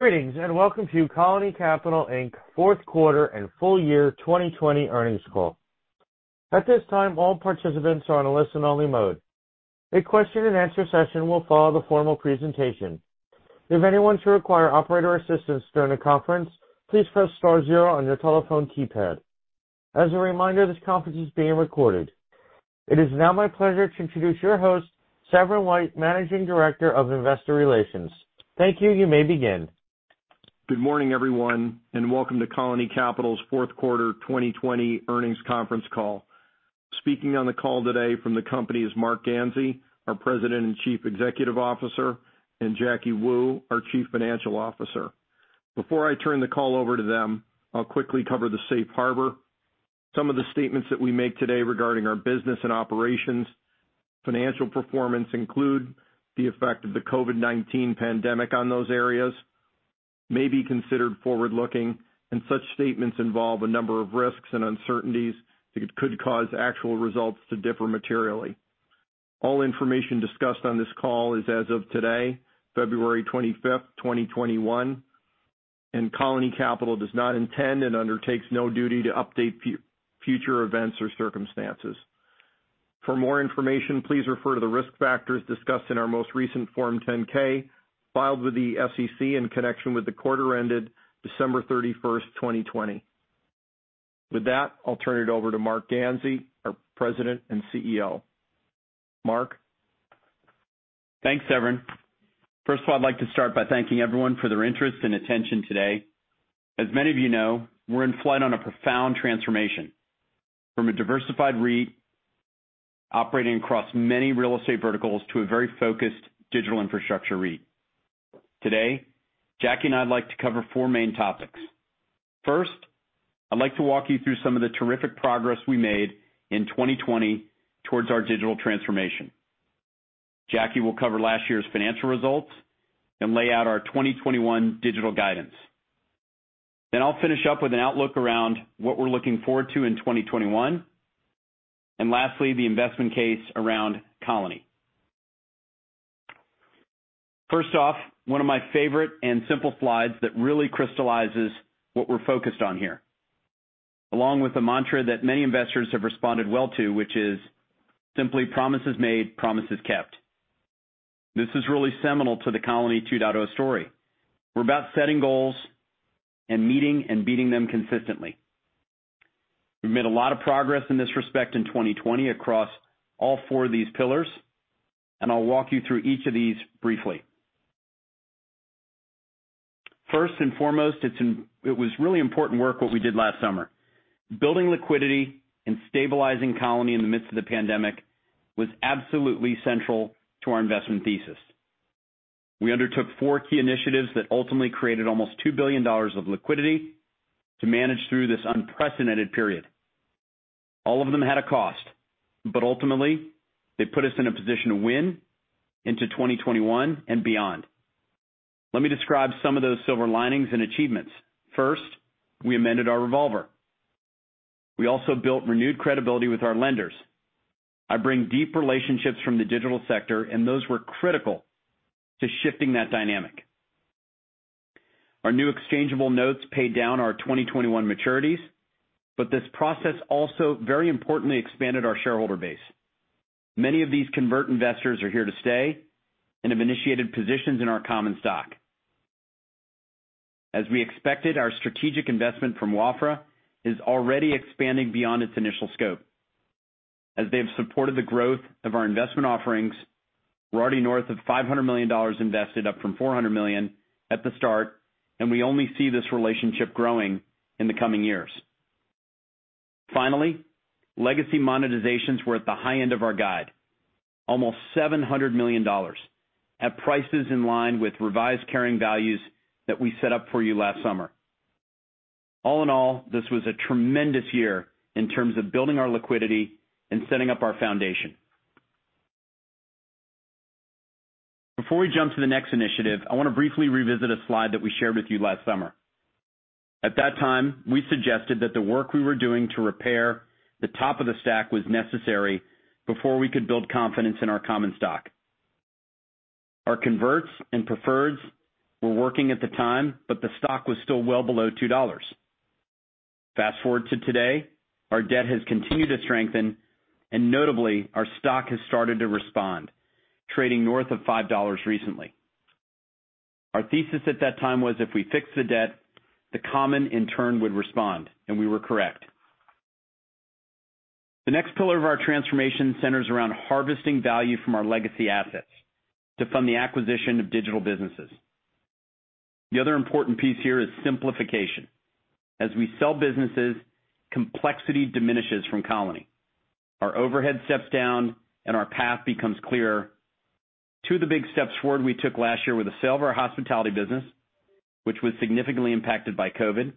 Greetings and welcome to Colony Capital Inc. Fourth Quarter and Full Year 2020 Earnings Call. At this time, all participants are on a listen-only mode. A question-and-answer session will follow the formal presentation. If anyone should require operator assistance during the conference, please press star zero on your telephone keypad. As a reminder, this conference is being recorded. It is now my pleasure to introduce your host, Severin White, Managing Director of Investor Relations. Thank you. You may begin. Good morning, everyone, and welcome to Colony Capital's Fourth Quarter 2020 Earnings Conference Call. Speaking on the call today from the company is Marc Ganzi, our President and Chief Executive Officer, and Jacky Wu, our Chief Financial Officer. Before I turn the call over to them, I'll quickly cover the safe harbor. Some of the statements that we make today regarding our business and operations' financial performance include the effect of the COVID-19 pandemic on those areas, may be considered forward-looking, and such statements involve a number of risks and uncertainties that could cause actual results to differ materially. All information discussed on this call is as of today, February 25, 2021, and Colony Capital does not intend and undertakes no duty to update future events or circumstances. For more information, please refer to the risk factors discussed in our most recent Form 10-K filed with the SEC in connection with the quarter ended December 31, 2020. With that, I'll turn it over to Marc Ganzi, our President and CEO. Marc? Thanks, Severin. First of all, I'd like to start by thanking everyone for their interest and attention today. As many of you know, we're in flight on a profound transformation from a diversified REIT operating across many real estate verticals to a very focused digital infrastructure REIT. Today, Jacky and I'd like to cover four main topics. First, I'd like to walk you through some of the terrific progress we made in 2020 towards our digital transformation. Jacky will cover last year's financial results and lay out our 2021 digital guidance. Then I'll finish up with an outlook around what we're looking forward to in 2021, and lastly, the investment case around Colony. First off, one of my favorite and simple slides that really crystallizes what we're focused on here, along with the mantra that many investors have responded well to, which is simply, "Promises made, promises kept." This is really seminal to the Colony 2.0 story. We're about setting goals and meeting and beating them consistently. We've made a lot of progress in this respect in 2020 across all four of these pillars, and I'll walk you through each of these briefly. First and foremost, it was really important work what we did last summer. Building liquidity and stabilizing Colony in the midst of the pandemic was absolutely central to our investment thesis. We undertook four key initiatives that ultimately created almost $2 billion of liquidity to manage through this unprecedented period. All of them had a cost, but ultimately, they put us in a position to win into 2021 and beyond. Let me describe some of those silver linings and achievements. First, we amended our revolver. We also built renewed credibility with our lenders. I bring deep relationships from the digital sector, and those were critical to shifting that dynamic. Our new exchangeable notes paid down our 2021 maturities, but this process also, very importantly, expanded our shareholder base. Many of these convert investors are here to stay and have initiated positions in our common stock. As we expected, our strategic investment from Wafra is already expanding beyond its initial scope. As they have supported the growth of our investment offerings, we're already north of $500 million invested, up from $400 million at the start, and we only see this relationship growing in the coming years. Finally, legacy monetizations were at the high end of our guide, almost $700 million at prices in line with revised carrying values that we set up for you last summer. All in all, this was a tremendous year in terms of building our liquidity and setting up our foundation. Before we jump to the next initiative, I want to briefly revisit a slide that we shared with you last summer. At that time, we suggested that the work we were doing to repair the top of the stack was necessary before we could build confidence in our common stock. Our converts and preferreds were working at the time, but the stock was still well below $2. Fast forward to today, our debt has continued to strengthen, and notably, our stock has started to respond, trading north of $5 recently. Our thesis at that time was if we fixed the debt, the common in turn would respond, and we were correct. The next pillar of our transformation centers around harvesting value from our legacy assets to fund the acquisition of digital businesses. The other important piece here is simplification. As we sell businesses, complexity diminishes from Colony. Our overhead steps down, and our path becomes clearer. Two of the big steps forward we took last year were the sale of our hospitality business, which was significantly impacted by COVID,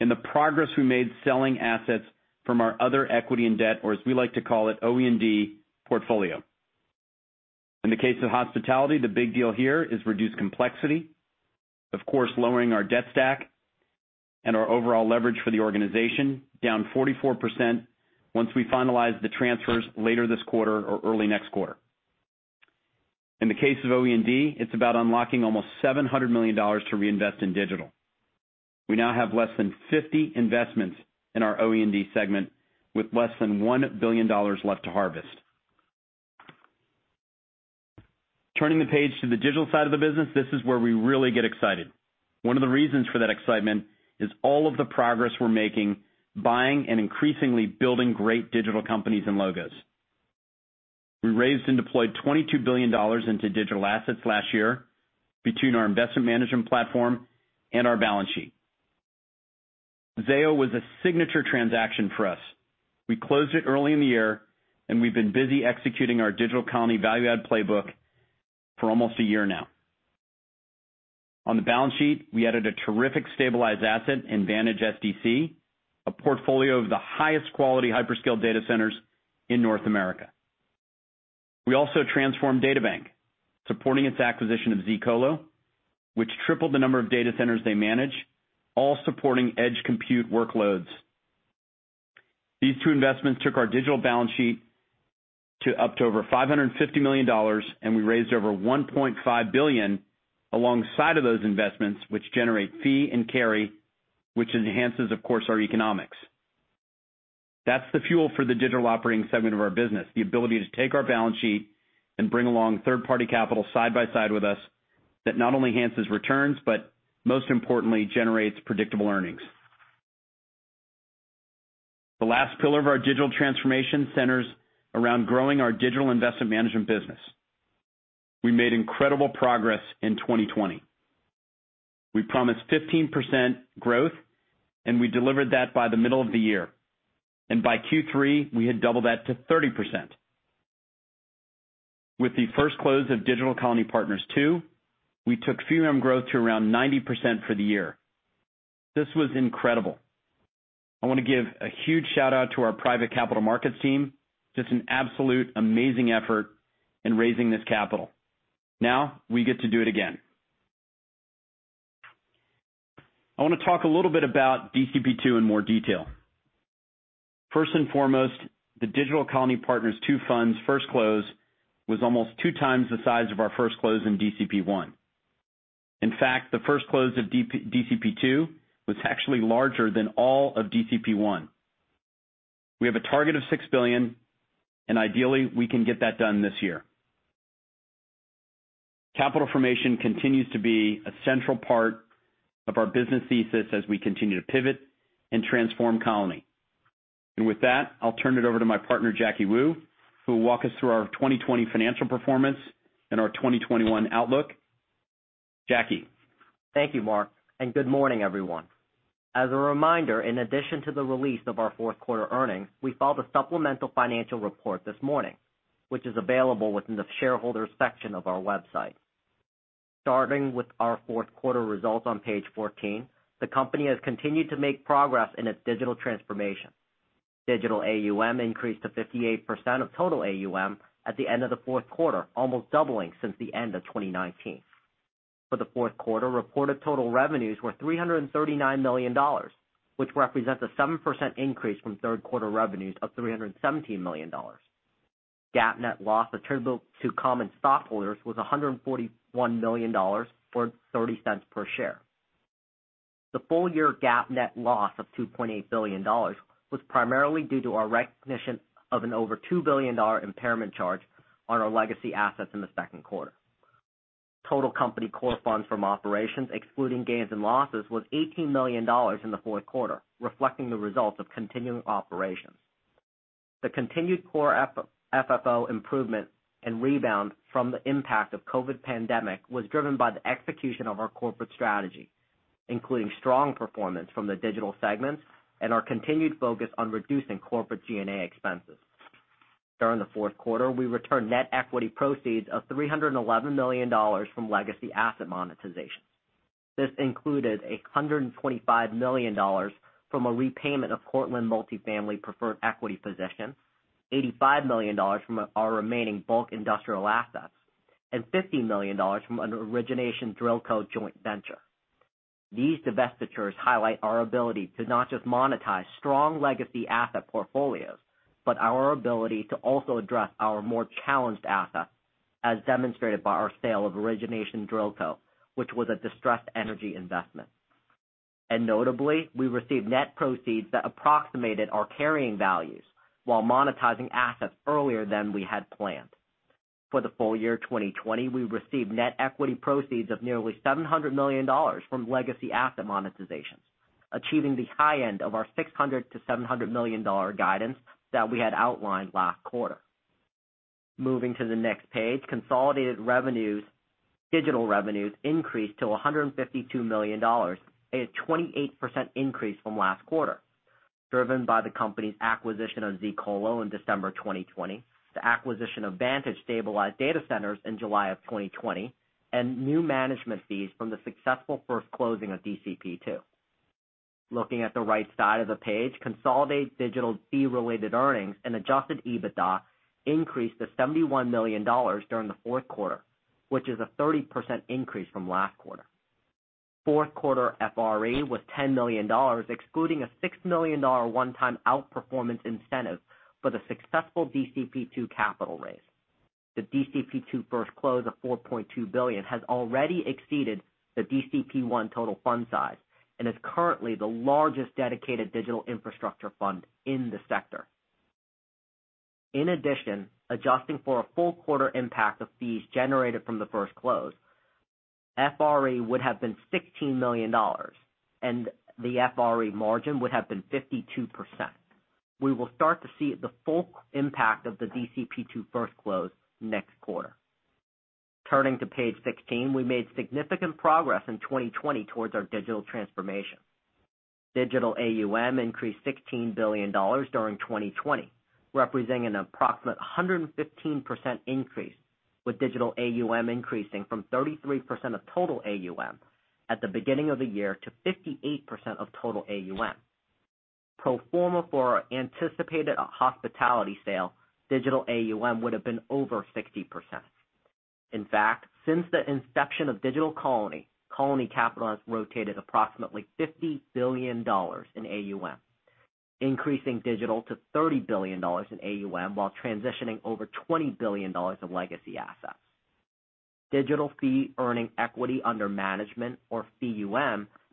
and the progress we made selling assets from our other equity and debt, or as we like to call it, OE&D portfolio. In the case of hospitality, the big deal here is reduced complexity, of course, lowering our debt stack and our overall leverage for the organization, down 44% once we finalize the transfers later this quarter or early next quarter. In the case of OE&D, it's about unlocking almost $700 million to reinvest in digital. We now have less than 50 investments in our OE&D segment with less than $1 billion left to harvest. Turning the page to the digital side of the business, this is where we really get excited. One of the reasons for that excitement is all of the progress we're making, buying and increasingly building great digital companies and logos. We raised and deployed $22 billion into digital assets last year between our investment management platform and our balance sheet. Zayo was a signature transaction for us. We closed it early in the year, and we've been busy executing our Digital Colony Value-Add Playbook for almost a year now. On the balance sheet, we added a terrific stabilized asset in Vantage SDC, a portfolio of the highest quality hyperscale data centers in North America. We also transformed DataBank, supporting its acquisition of zColo, which tripled the number of data centers they manage, all supporting edge compute workloads. These two investments took our digital balance sheet to up to over $550 million, and we raised over $1.5 billion alongside of those investments, which generate fee and carry, which enhances, of course, our economics. That's the fuel for the digital operating segment of our business, the ability to take our balance sheet and bring along third-party capital side by side with us that not only enhances returns but, most importantly, generates predictable earnings. The last pillar of our digital transformation centers around growing our digital investment management business. We made incredible progress in 2020. We promised 15% growth, and we delivered that by the middle of the year, and by Q3, we had doubled that to 30%. With the first close of Digital Colony Partners II, we took fee-related growth to around 90% for the year. This was incredible. I want to give a huge shout-out to our private capital markets team, just an absolute amazing effort in raising this capital. Now, we get to do it again. I want to talk a little bit about DCP II in more detail. First and foremost, the Digital Colony Partners II fund's first close was almost two times the size of our first close in DCP I. In fact, the first close of DCP II was actually larger than all of DCP I. We have a target of $6 billion, and ideally, we can get that done this year. Capital formation continues to be a central part of our business thesis as we continue to pivot and transform Colony. And with that, I'll turn it over to my partner, Jacky Wu, who will walk us through our 2020 financial performance and our 2021 outlook. Jacky. Thank you, Marc, and good morning, everyone. As a reminder, in addition to the release of our fourth quarter earnings, we filed a supplemental financial report this morning, which is available within the shareholder section of our website. Starting with our fourth quarter results on page 14, the company has continued to make progress in its digital transformation. Digital AUM increased to 58% of total AUM at the end of the fourth quarter, almost doubling since the end of 2019. For the fourth quarter, reported total revenues were $339 million, which represents a 7% increase from third quarter revenues of $317 million. GAAP net loss attributable to common stockholders was $141 million or $0.30 per share. The full-year GAAP net loss of $2.8 billion was primarily due to our recognition of an over $2 billion impairment charge on our legacy assets in the second quarter. Total company core funds from operations, excluding gains and losses, was $18 million in the fourth quarter, reflecting the results of continuing operations. The continued core FFO improvement and rebound from the impact of the COVID pandemic was driven by the execution of our corporate strategy, including strong performance from the digital segments and our continued focus on reducing corporate G&A expenses. During the fourth quarter, we returned net equity proceeds of $311 million from legacy asset monetization. This included $125 million from a repayment of Cortland multifamily preferred equity position, $85 million from our remaining bulk industrial assets, and $50 million from an Origination DrillCo joint venture. These divestitures highlight our ability to not just monetize strong legacy asset portfolios, but our ability to also address our more challenged assets, as demonstrated by our sale of Origination DrillCo, which was a distressed energy investment. Notably, we received net proceeds that approximated our carrying values while monetizing assets earlier than we had planned. For the full year 2020, we received net equity proceeds of nearly $700 million from legacy asset monetizations, achieving the high end of our $600 million-$700 million guidance that we had outlined last quarter. Moving to the next page, consolidated digital revenues increased to $152 million, a 28% increase from last quarter, driven by the company's acquisition of zColo in December 2020, the acquisition of Vantage Stabilized Data Centers in July of 2020, and new management fees from the successful first closing of DCP II. Looking at the right side of the page, consolidated digital fee-related earnings and adjusted EBITDA increased to $71 million during the fourth quarter, which is a 30% increase from last quarter. Fourth quarter FRE was $10 million, excluding a $6 million one-time outperformance incentive for the successful DCP II capital raise. The DCP II first close of $4.2 billion has already exceeded the DCP I total fund size and is currently the largest dedicated digital infrastructure fund in the sector. In addition, adjusting for a full quarter impact of fees generated from the first close, FRE would have been $16 million, and the FRE margin would have been 52%. We will start to see the full impact of the DCP II first close next quarter. Turning to page 16, we made significant progress in 2020 towards our digital transformation. Digital AUM increased $16 billion during 2020, representing an approximate 115% increase, with digital AUM increasing from 33% of total AUM at the beginning of the year to 58% of total AUM. Pro forma for our anticipated hospitality sale, digital AUM would have been over 60%. In fact, since the inception of Digital Colony, Colony Capital has rotated approximately $50 billion in AUM, increasing digital to $30 billion in AUM while transitioning over $20 billion of legacy assets. Digital fee-earning equity under management, or fee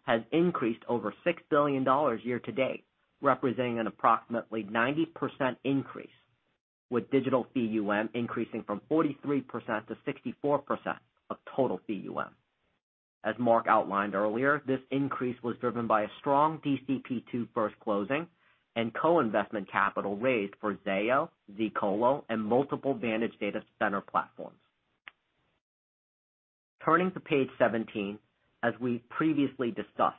has increased over $6 billion year to date, representing an approximately 90% increase, with digital fee increasing from 43% to 64% of total fee. As Marc outlined earlier, this increase was driven by a strong DCP II first closing and co-investment capital raised for Zayo, zColo, and multiple Vantage Data Center platforms. Turning to page 17, as we previously discussed,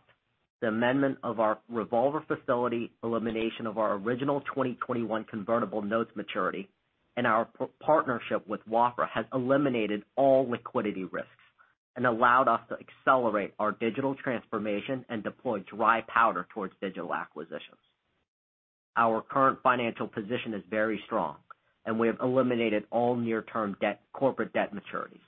the amendment of our revolver facility, elimination of our original 2021 convertible notes maturity, and our partnership with Wafra has eliminated all liquidity risks and allowed us to accelerate our digital transformation and deploy dry powder towards digital acquisitions. Our current financial position is very strong, and we have eliminated all near-term corporate debt maturities.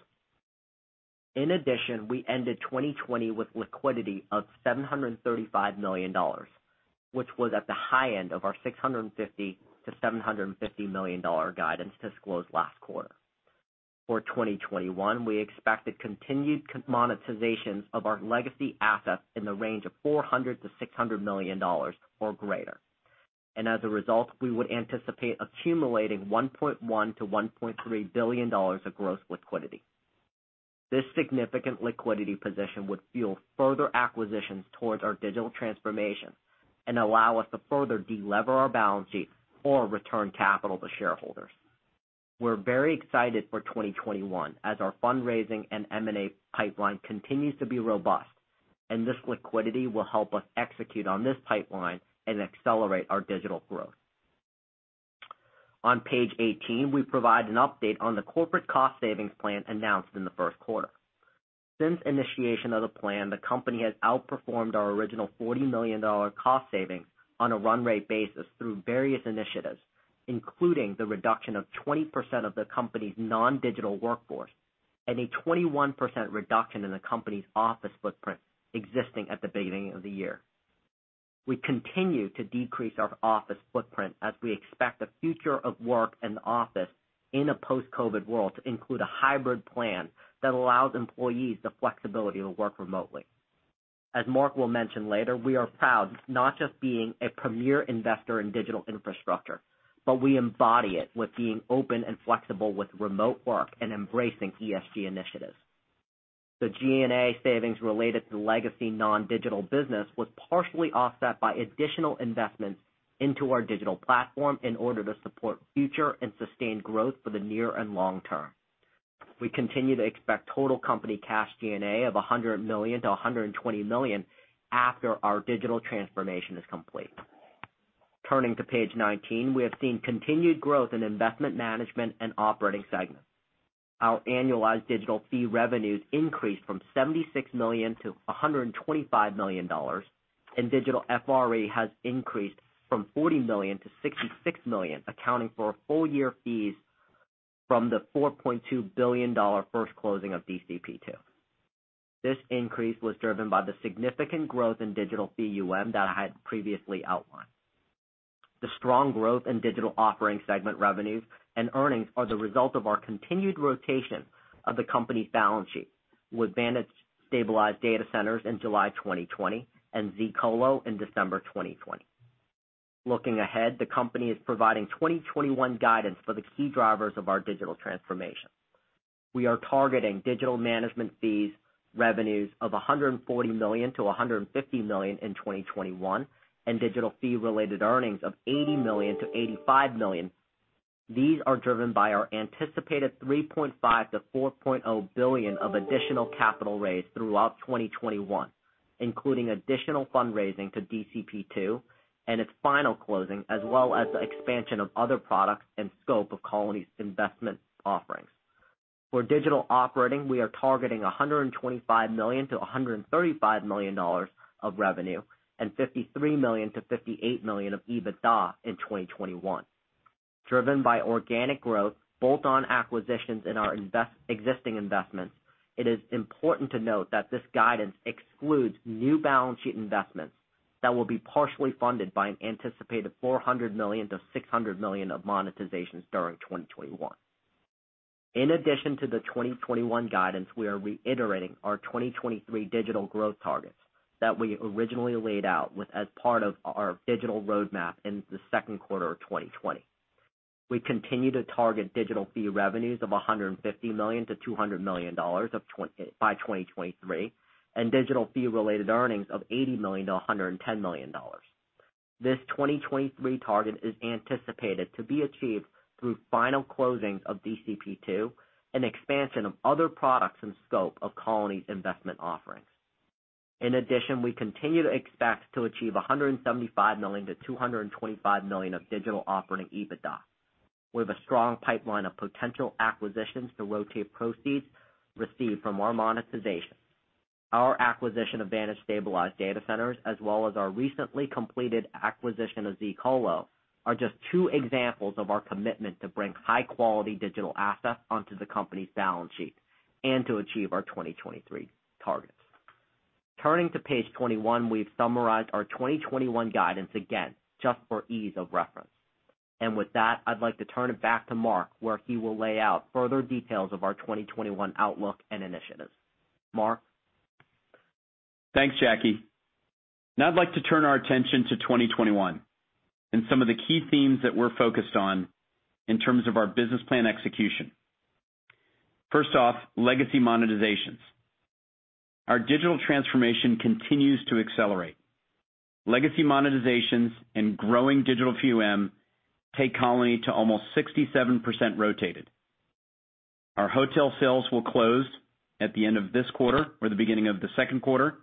In addition, we ended 2020 with liquidity of $735 million, which was at the high end of our $650-$750 million guidance disclosed last quarter. For 2021, we expected continued monetizations of our legacy assets in the range of $400 million-$600 million or greater, and as a result, we would anticipate accumulating $1.1 billion-$1.3 billion of gross liquidity. This significant liquidity position would fuel further acquisitions towards our digital transformation and allow us to further delever our balance sheet or return capital to shareholders. We're very excited for 2021 as our fundraising and M&A pipeline continues to be robust, and this liquidity will help us execute on this pipeline and accelerate our digital growth. On page 18, we provide an update on the corporate cost savings plan announced in the first quarter. Since initiation of the plan, the company has outperformed our original $40 million cost savings on a run rate basis through various initiatives, including the reduction of 20% of the company's non-digital workforce and a 21% reduction in the company's office footprint existing at the beginning of the year. We continue to decrease our office footprint as we expect the future of work in the office in a post-COVID world to include a hybrid plan that allows employees the flexibility to work remotely. As Marc will mention later, we are proud not just of being a premier investor in digital infrastructure, but we embody it with being open and flexible with remote work and embracing ESG initiatives. The G&A savings related to legacy non-digital business was partially offset by additional investments into our digital platform in order to support future and sustained growth for the near and long term. We continue to expect total company cash G&A of $100 million-$120 million after our digital transformation is complete. Turning to page 19, we have seen continued growth in investment management and operating segments. Our annualized digital fee revenues increased from $76 million-$125 million, and digital FRE has increased from $40 million-$66 million, accounting for full-year fees from the $4.2 billion first closing of DCP II. This increase was driven by the significant growth in digital fee that I had previously outlined. The strong growth in digital offering segment revenues and earnings are the result of our continued rotation of the company's balance sheet with Vantage Stabilized Data Centers in July 2020 and zColo in December 2020. Looking ahead, the company is providing 2021 guidance for the key drivers of our digital transformation. We are targeting digital management fees revenues of $140 million-$150 million in 2021 and digital fee-related earnings of $80 million-$85 million. These are driven by our anticipated $3.5 billion-$4.0 billion of additional capital raised throughout 2021, including additional fundraising to DCP II and its final closing, as well as the expansion of other products and scope of Colony's investment offerings. For digital operating, we are targeting $125 million-$135 million of revenue and $53 million-$58 million of EBITDA in 2021. Driven by organic growth, bolt-on acquisitions, and our existing investments, it is important to note that this guidance excludes new balance sheet investments that will be partially funded by an anticipated $400 million-$600 million of monetizations during 2021. In addition to the 2021 guidance, we are reiterating our 2023 digital growth targets that we originally laid out as part of our digital roadmap in the second quarter of 2020. We continue to target digital fee revenues of $150 million-$200 million by 2023 and digital fee-related earnings of $80 million-$110 million. This 2023 target is anticipated to be achieved through final closings of DCP II and expansion of other products and scope of Colony's investment offerings. In addition, we continue to expect to achieve $175-$225 million of digital operating EBITDA with a strong pipeline of potential acquisitions to rotate proceeds received from our monetization. Our acquisition of Vantage Stabilized Data Centers, as well as our recently completed acquisition of zColo, are just two examples of our commitment to bring high-quality digital assets onto the company's balance sheet and to achieve our 2023 targets. Turning to page 21, we've summarized our 2021 guidance again, just for ease of reference. With that, I'd like to turn it back to Marc, where he will lay out further details of our 2021 outlook and initiatives. Marc? Thanks, Jacky. Now I'd like to turn our attention to 2021 and some of the key themes that we're focused on in terms of our business plan execution. First off, legacy monetizations. Our digital transformation continues to accelerate. Legacy monetizations and growing digital FEEUM take Colony to almost 67% rotated. Our hotel sales will close at the end of this quarter or the beginning of the second quarter,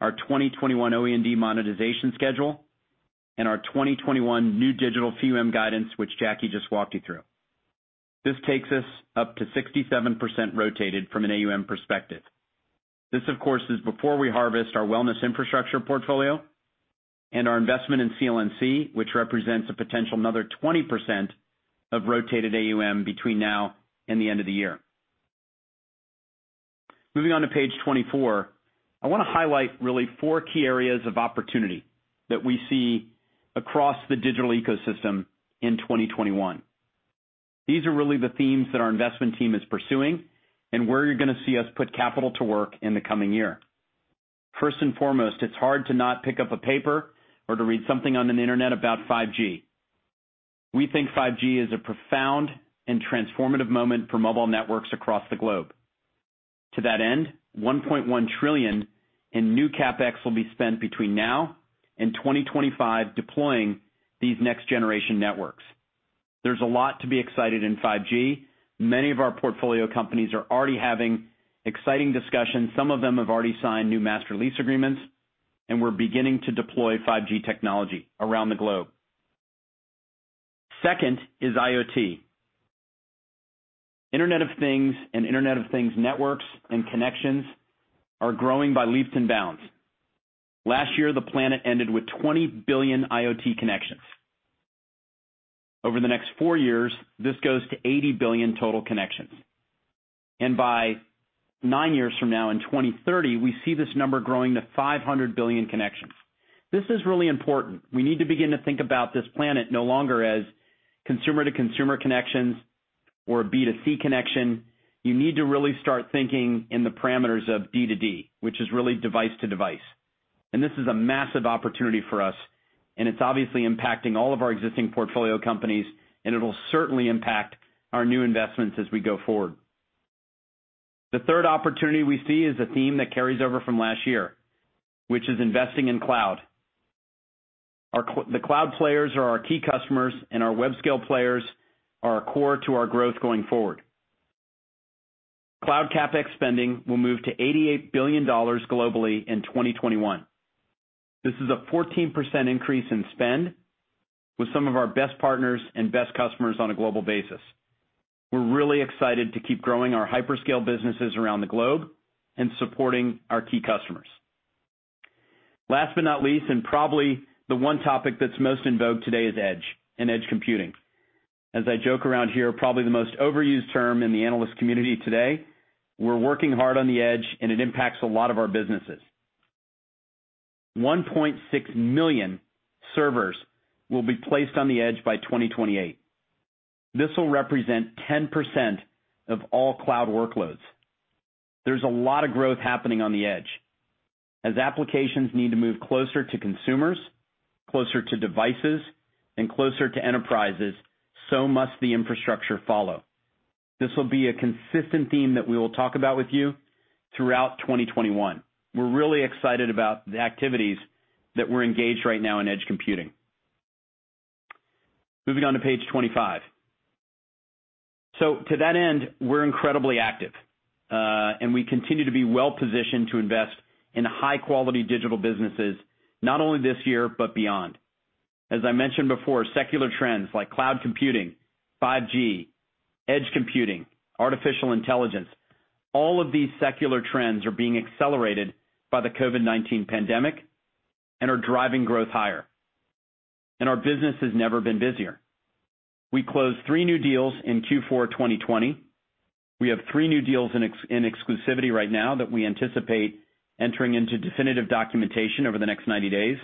our 2021 OE&D monetization schedule, and our 2021 new digital FEEUM guidance, which Jacky just walked you through. This takes us up to 67% rotated from an AUM perspective. This, of course, is before we harvest our wellness infrastructure portfolio and our investment in CLNC, which represents a potential another 20% of rotated AUM between now and the end of the year. Moving on to page 24, I want to highlight really four key areas of opportunity that we see across the digital ecosystem in 2021. These are really the themes that our investment team is pursuing and where you're going to see us put capital to work in the coming year. First and foremost, it's hard to not pick up a paper or to read something on the internet about 5G. We think 5G is a profound and transformative moment for mobile networks across the globe. To that end, $1.1 trillion in new CapEx will be spent between now and 2025 deploying these next-generation networks. There's a lot to be excited in 5G. Many of our portfolio companies are already having exciting discussions. Some of them have already signed new master lease agreements, and we're beginning to deploy 5G technology around the globe. Second is IoT. Internet of Things and Internet of Things networks and connections are growing by leaps and bounds. Last year, the planet ended with 20 billion IoT connections. Over the next four years, this goes to 80 billion total connections. And by nine years from now, in 2030, we see this number growing to 500 billion connections. This is really important. We need to begin to think about this planet no longer as consumer-to-consumer connections or a B2C connection. You need to really start thinking in the parameters of D2D, which is really device-to-device. This is a massive opportunity for us, and it's obviously impacting all of our existing portfolio companies, and it'll certainly impact our new investments as we go forward. The third opportunity we see is a theme that carries over from last year, which is investing in cloud. The cloud players are our key customers, and our web scale players are a core to our growth going forward. Cloud CapEx spending will move to $88 billion globally in 2021. This is a 14% increase in spend with some of our best partners and best customers on a global basis. We're really excited to keep growing our hyperscale businesses around the globe and supporting our key customers. Last but not least, and probably the one topic that's most in vogue today is Edge and Edge computing. As I joke around here, probably the most overused term in the analyst community today, we're working hard on the Edge, and it impacts a lot of our businesses. 1.6 million servers will be placed on the Edge by 2028. This will represent 10% of all cloud workloads. There's a lot of growth happening on the Edge. As applications need to move closer to consumers, closer to devices, and closer to enterprises, so must the infrastructure follow. This will be a consistent theme that we will talk about with you throughout 2021. We're really excited about the activities that we're engaged right now in Edge computing. Moving on to page 25. To that end, we're incredibly active, and we continue to be well-positioned to invest in high-quality digital businesses, not only this year but beyond. As I mentioned before, secular trends like cloud computing, 5G, Edge computing, artificial intelligence, all of these secular trends are being accelerated by the COVID-19 pandemic and are driving growth higher. Our business has never been busier. We closed three new deals in Q4 2020. We have three new deals in exclusivity right now that we anticipate entering into definitive documentation over the next 90 days.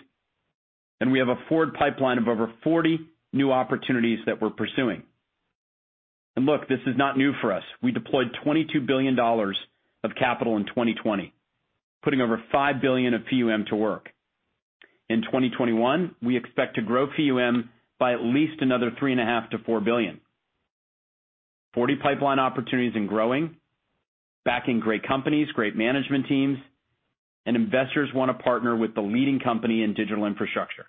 We have a forward pipeline of over 40 new opportunities that we're pursuing. Look, this is not new for us. We deployed $22 billion of capital in 2020, putting over $5 billion of FEEUM to work. In 2021, we expect to grow FEEUM by at least another $3.5 billion-$4 billion. 40 pipeline opportunities and growing, backing great companies, great management teams, and investors want to partner with the leading company in digital infrastructure.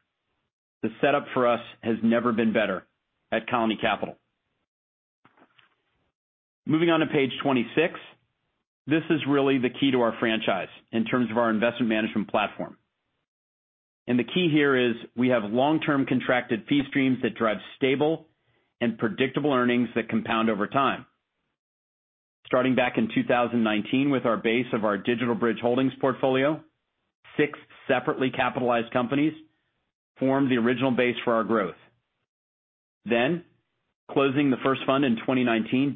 The setup for us has never been better at Colony Capital. Moving on to page 26, this is really the key to our franchise in terms of our investment management platform, and the key here is we have long-term contracted fee streams that drive stable and predictable earnings that compound over time. Starting back in 2019 with our base of our Digital Bridge Holdings portfolio, six separately capitalized companies formed the original base for our growth, then closing the first fund in 2019,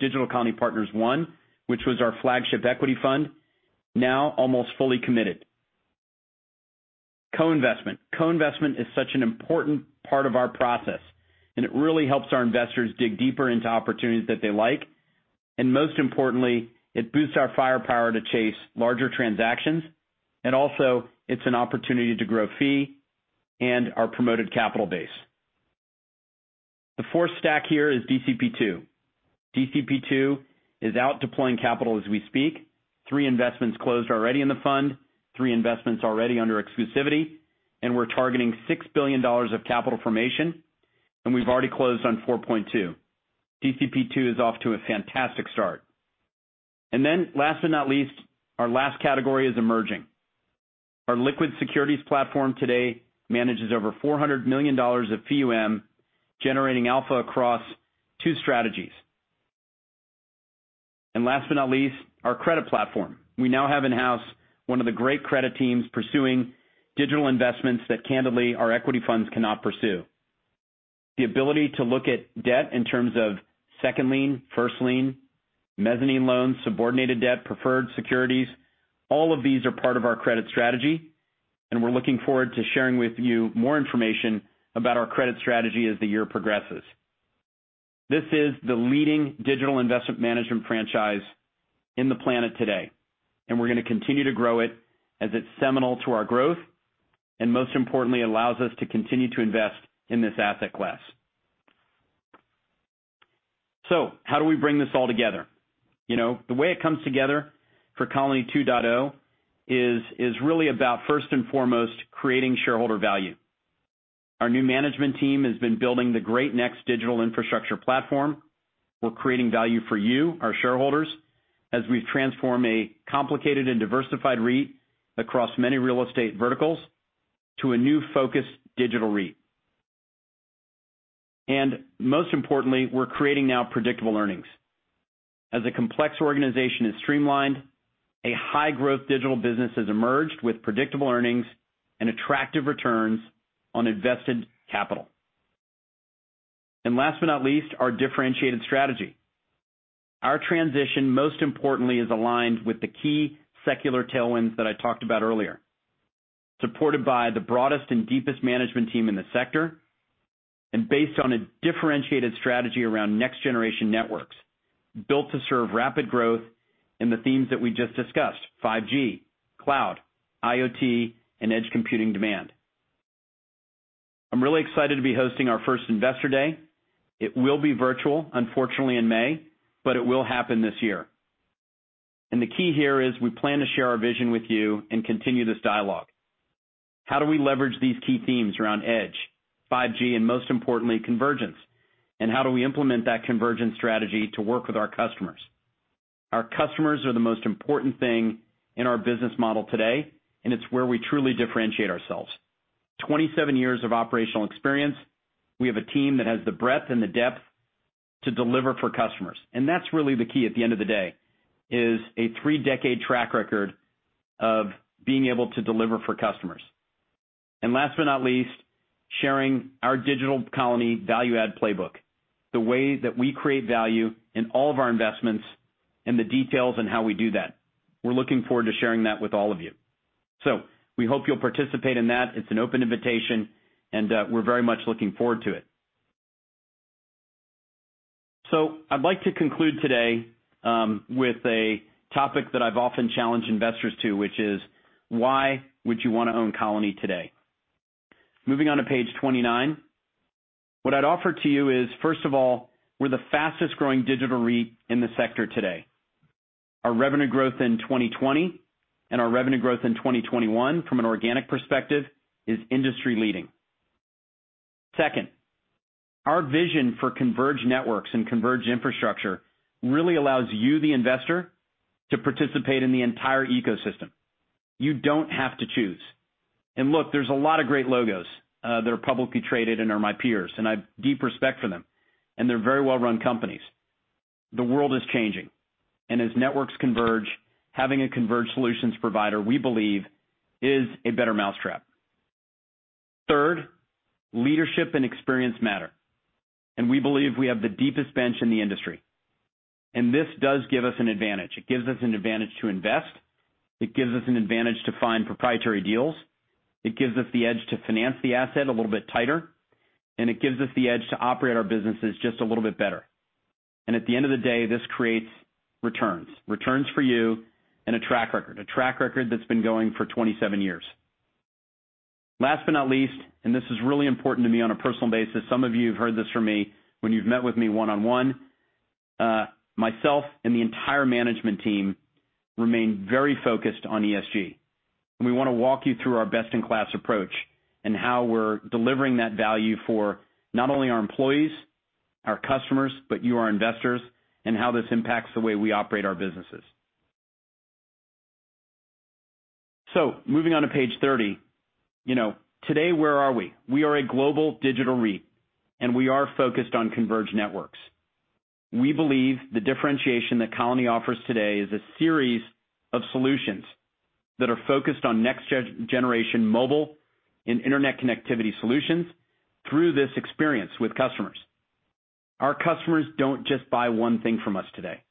Digital Colony Partners I, which was our flagship equity fund, now almost fully committed. Co-investment. Co-investment is such an important part of our process, and it really helps our investors dig deeper into opportunities that they like. And most importantly, it boosts our firepower to chase larger transactions, and also, it's an opportunity to grow fee and our promoted capital base. The fourth stack here is DCP II. DCP II is out deploying capital as we speak. Three investments closed already in the fund, three investments already under exclusivity, and we're targeting $6 billion of capital formation, and we've already closed on $4.2 billion. DCP II is off to a fantastic start. And then, last but not least, our last category is emerging. Our liquid securities platform today manages over $400 million of FEEUM generating alpha across two strategies. And last but not least, our credit platform. We now have in-house one of the great credit teams pursuing digital investments that, candidly, our equity funds cannot pursue. The ability to look at debt in terms of second lien, first lien, mezzanine loans, subordinated debt, preferred securities, all of these are part of our credit strategy, and we're looking forward to sharing with you more information about our credit strategy as the year progresses. This is the leading digital investment management franchise in the planet today, and we're going to continue to grow it as it's seminal to our growth and, most importantly, allows us to continue to invest in this asset class. So how do we bring this all together? The way it comes together for Colony 2.0 is really about, first and foremost, creating shareholder value. Our new management team has been building the great next digital infrastructure platform. We're creating value for you, our shareholders, as we transform a complicated and diversified REIT across many real estate verticals to a new focused digital REIT. And most importantly, we're creating now predictable earnings. As a complex organization is streamlined, a high-growth digital business has emerged with predictable earnings and attractive returns on invested capital. And last but not least, our differentiated strategy. Our transition, most importantly, is aligned with the key secular tailwinds that I talked about earlier, supported by the broadest and deepest management team in the sector and based on a differentiated strategy around next-generation networks built to serve rapid growth in the themes that we just discussed: 5G, cloud, IoT, and Edge computing demand. I'm really excited to be hosting our first investor day. It will be virtual, unfortunately, in May, but it will happen this year. And the key here is we plan to share our vision with you and continue this dialogue. How do we leverage these key themes around Edge, 5G, and most importantly, convergence? And how do we implement that convergence strategy to work with our customers? Our customers are the most important thing in our business model today, and it's where we truly differentiate ourselves. 27 years of operational experience, we have a team that has the breadth and the depth to deliver for customers. And that's really the key at the end of the day, is a three-decade track record of being able to deliver for customers. And last but not least, sharing our Digital Colony value-add playbook, the way that we create value in all of our investments and the details and how we do that. We're looking forward to sharing that with all of you. So we hope you'll participate in that. It's an open invitation, and we're very much looking forward to it. I'd like to conclude today with a topic that I've often challenged investors to, which is, why would you want to own Colony today? Moving on to page 29, what I'd offer to you is, first of all, we're the fastest-growing digital REIT in the sector today. Our revenue growth in 2020 and our revenue growth in 2021, from an organic perspective, is industry-leading. Second, our vision for converged networks and converged infrastructure really allows you, the investor, to participate in the entire ecosystem. You don't have to choose. And look, there's a lot of great logos that are publicly traded and are my peers, and I have deep respect for them, and they're very well-run companies. The world is changing, and as networks converge, having a converged solutions provider, we believe, is a better mousetrap. Third, leadership and experience matter, and we believe we have the deepest bench in the industry. And this does give us an advantage. It gives us an advantage to invest. It gives us an advantage to find proprietary deals. It gives us the edge to finance the asset a little bit tighter, and it gives us the edge to operate our businesses just a little bit better. And at the end of the day, this creates returns, returns for you and a track record, a track record that's been going for 27 years. Last but not least, and this is really important to me on a personal basis, some of you have heard this from me when you've met with me one-on-one, myself and the entire management team remain very focused on ESG. We want to walk you through our best-in-class approach and how we're delivering that value for not only our employees, our customers, but you, our investors, and how this impacts the way we operate our businesses. Moving on to page 30, today, where are we? We are a global digital REIT, and we are focused on converged networks. We believe the differentiation that Colony offers today is a series of solutions that are focused on next-generation mobile and internet connectivity solutions through this experience with customers. Our customers don't just buy one thing from us today.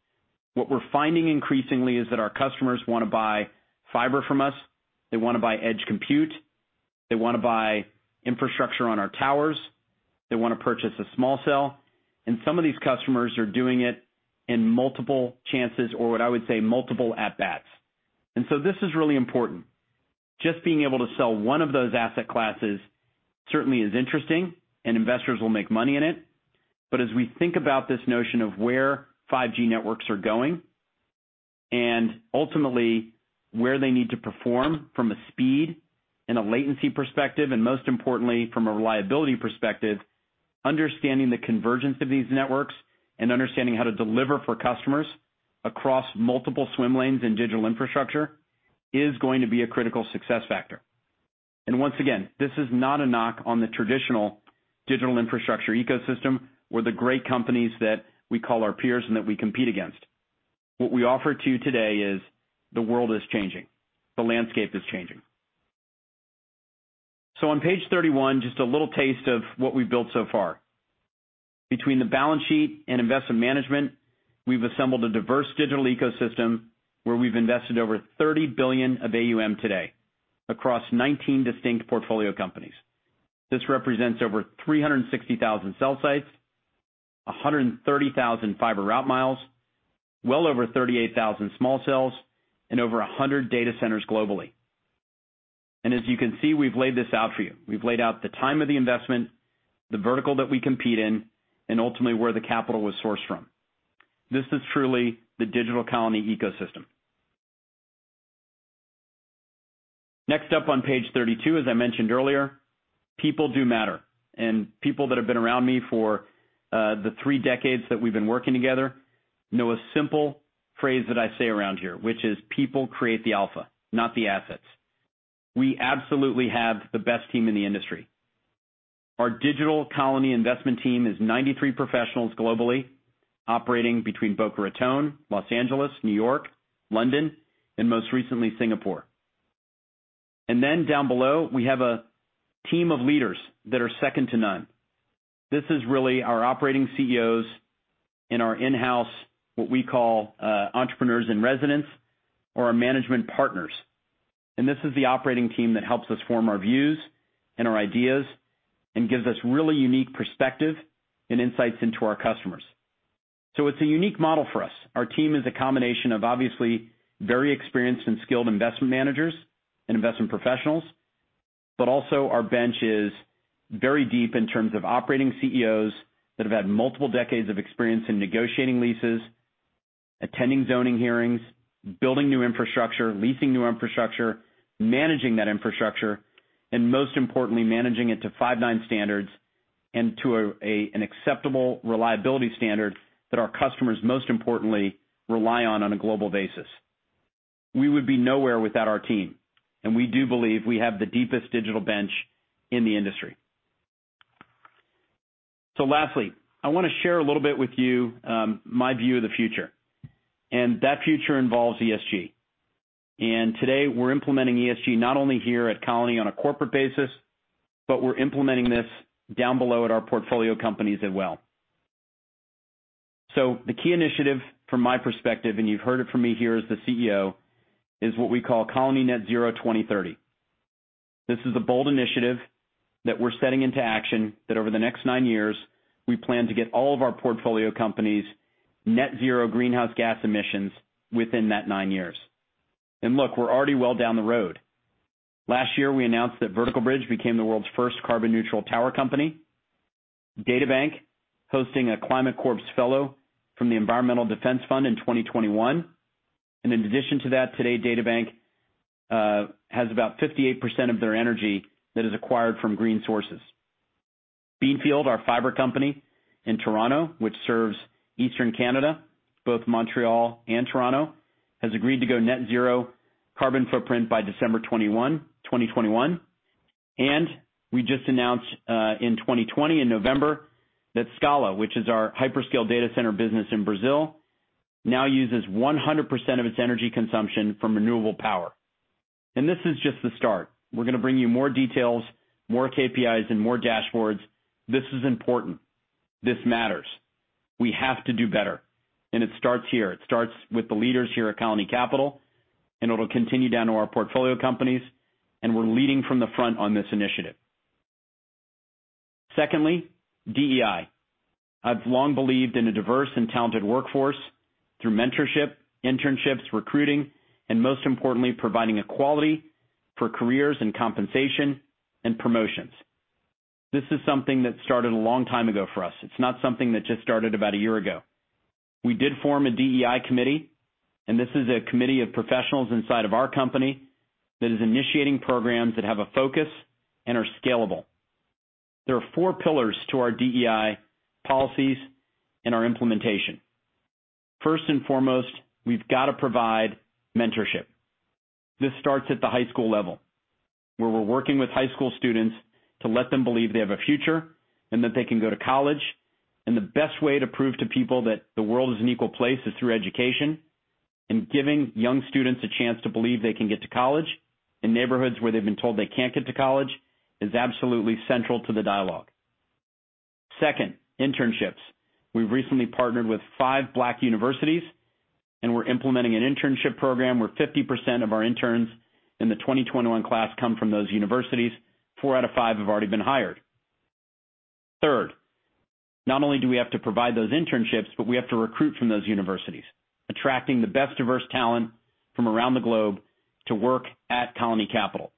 What we're finding increasingly is that our customers want to buy fiber from us. They want to buy Edge compute. They want to buy infrastructure on our towers. They want to purchase a small cell. And some of these customers are doing it in multiple chances or, what I would say, multiple at bats. And so this is really important. Just being able to sell one of those asset classes certainly is interesting, and investors will make money in it. But as we think about this notion of where 5G networks are going and, ultimately, where they need to perform from a speed and a latency perspective and, most importantly, from a reliability perspective, understanding the convergence of these networks and understanding how to deliver for customers across multiple swim lanes in digital infrastructure is going to be a critical success factor. And once again, this is not a knock on the traditional digital infrastructure ecosystem or the great companies that we call our peers and that we compete against. What we offer to you today is the world is changing. The landscape is changing. So on page 31, just a little taste of what we've built so far. Between the balance sheet and investment management, we've assembled a diverse digital ecosystem where we've invested over $30 billion of AUM today across 19 distinct portfolio companies. This represents over 360,000 cell sites, 130,000 fiber route miles, well over 38,000 small cells, and over 100 data centers globally. And as you can see, we've laid this out for you. We've laid out the time of the investment, the vertical that we compete in, and ultimately where the capital was sourced from. This is truly the Digital Colony ecosystem. Next up on page 32, as I mentioned earlier, people do matter. And people that have been around me for the three decades that we've been working together know a simple phrase that I say around here, which is, "People create the alpha, not the assets." We absolutely have the best team in the industry. Our Digital Colony investment team is 93 professionals globally operating between Boca Raton, Los Angeles, New York, London, and most recently, Singapore. And then down below, we have a team of leaders that are second to none. This is really our operating CEOs and our in-house, what we call entrepreneurs in residence, or our management partners. And this is the operating team that helps us form our views and our ideas and gives us really unique perspective and insights into our customers. So it's a unique model for us. Our team is a combination of, obviously, very experienced and skilled investment managers and investment professionals, but also our bench is very deep in terms of operating CEOs that have had multiple decades of experience in negotiating leases, attending zoning hearings, building new infrastructure, leasing new infrastructure, managing that infrastructure, and most importantly, managing it to Five9 standards and to an acceptable reliability standard that our customers, most importantly, rely on on a global basis. We would be nowhere without our team, and we do believe we have the deepest digital bench in the industry. So lastly, I want to share a little bit with you my view of the future, and that future involves ESG. And today, we're implementing ESG not only here at Colony on a corporate basis, but we're implementing this down below at our portfolio companies as well. The key initiative from my perspective, and you've heard it from me here as the CEO, is what we call Colony Net Zero 2030. This is a bold initiative that we're setting into action that over the next nine years, we plan to get all of our portfolio companies net-zero greenhouse gas emissions within that nine years. And look, we're already well down the road. Last year, we announced that Vertical Bridge became the world's first carbon-neutral tower company. DataBank, hosting a Climate Corps fellow from the Environmental Defense Fund in 2021. And in addition to that, today, DataBank has about 58% of their energy that is acquired from green sources. Beanfield, our fiber company in Toronto, which serves eastern Canada, both Montreal and Toronto, has agreed to go net-zero carbon footprint by December 21, 2021. We just announced in 2020, in November, that Scala, which is our hyperscale data center business in Brazil, now uses 100% of its energy consumption from renewable power. This is just the start. We're going to bring you more details, more KPIs, and more dashboards. This is important. This matters. We have to do better, and it starts here. It starts with the leaders here at Colony Capital, and it'll continue down to our portfolio companies, and we're leading from the front on this initiative. Secondly, DEI. I've long believed in a diverse and talented workforce through mentorship, internships, recruiting, and, most importantly, providing equality for careers and compensation and promotions. This is something that started a long time ago for us. It's not something that just started about a year ago. We did form a DEI committee, and this is a committee of professionals inside of our company that is initiating programs that have a focus and are scalable. There are four pillars to our DEI policies and our implementation. First and foremost, we've got to provide mentorship. This starts at the high school level, where we're working with high school students to let them believe they have a future and that they can go to college. And the best way to prove to people that the world is an equal place is through education and giving young students a chance to believe they can get to college in neighborhoods where they've been told they can't get to college is absolutely central to the dialogue. Second, internships. We've recently partnered with five Black universities, and we're implementing an internship program where 50% of our interns in the 2021 class come from those universities. Four out of five have already been hired. Third, not only do we have to provide those internships, but we have to recruit from those universities, attracting the best diverse talent from around the globe to work at Colony Capital.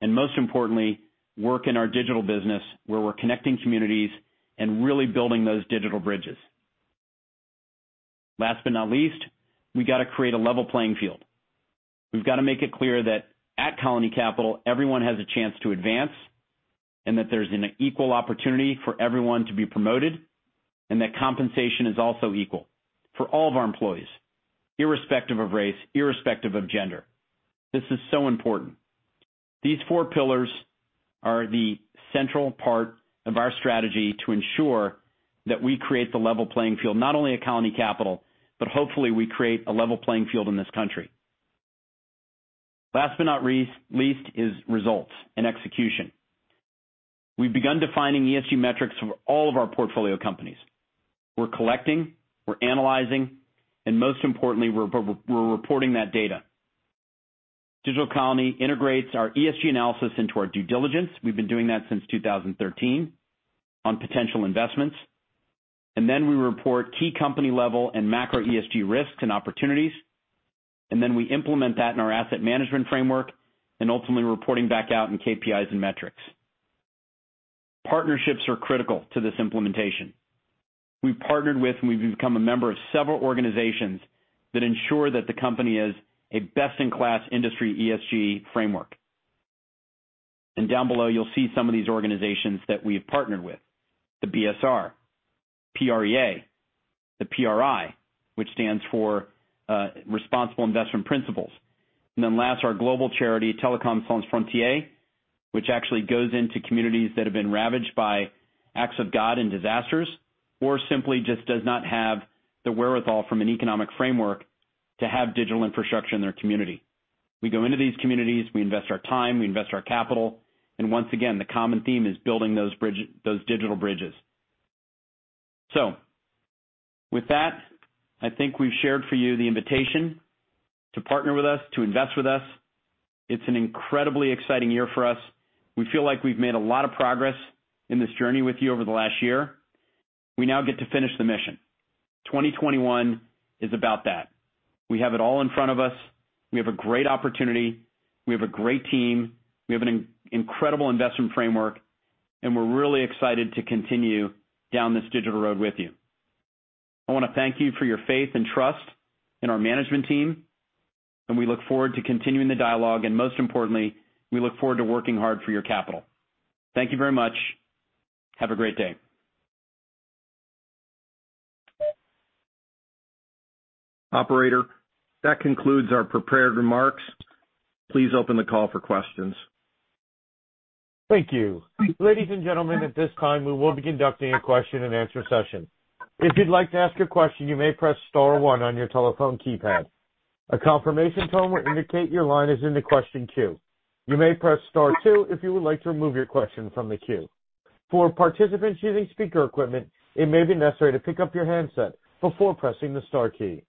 And most importantly, work in our digital business where we're connecting communities and really building those digital bridges. Last but not least, we've got to create a level playing field. We've got to make it clear that at Colony Capital, everyone has a chance to advance and that there's an equal opportunity for everyone to be promoted and that compensation is also equal for all of our employees, irrespective of race, irrespective of gender. This is so important. These four pillars are the central part of our strategy to ensure that we create the level playing field, not only at Colony Capital, but hopefully, we create a level playing field in this country. Last but not least is results and execution. We've begun defining ESG metrics for all of our portfolio companies. We're collecting, we're analyzing, and most importantly, we're reporting that data. Digital Colony integrates our ESG analysis into our due diligence. We've been doing that since 2013 on potential investments. And then we report key company-level and macro ESG risks and opportunities. And then we implement that in our asset management framework and ultimately reporting back out in KPIs and metrics. Partnerships are critical to this implementation. We've partnered with and we've become a member of several organizations that ensure that the company is a best-in-class industry ESG framework. And down below, you'll see some of these organizations that we've partnered with: the BSR, PREA, the PRI, which stands for Responsible Investment Principles. And then last, our global charity, Télécoms Sans Frontières, which actually goes into communities that have been ravaged by acts of God and disasters or simply just does not have the wherewithal from an economic framework to have digital infrastructure in their community. We go into these communities, we invest our time, we invest our capital. And once again, the common theme is building those digital bridges. So with that, I think we've shared for you the invitation to partner with us, to invest with us. It's an incredibly exciting year for us. We feel like we've made a lot of progress in this journey with you over the last year. We now get to finish the mission. 2021 is about that. We have it all in front of us. We have a great opportunity. We have a great team. We have an incredible investment framework, and we're really excited to continue down this digital road with you. I want to thank you for your faith and trust in our management team, and we look forward to continuing the dialogue, and most importantly, we look forward to working hard for your capital. Thank you very much. Have a great day. Operator, that concludes our prepared remarks. Please open the call for questions. Thank you. Ladies and gentlemen, at this time, we will be conducting a question-and-answer session. If you'd like to ask a question, you may press Star 1 on your telephone keypad. A confirmation tone will indicate your line is in the question queue. You may press Star 2 if you would like to remove your question from the queue. For participants using speaker equipment, it may be necessary to pick up your handset before pressing the Star key.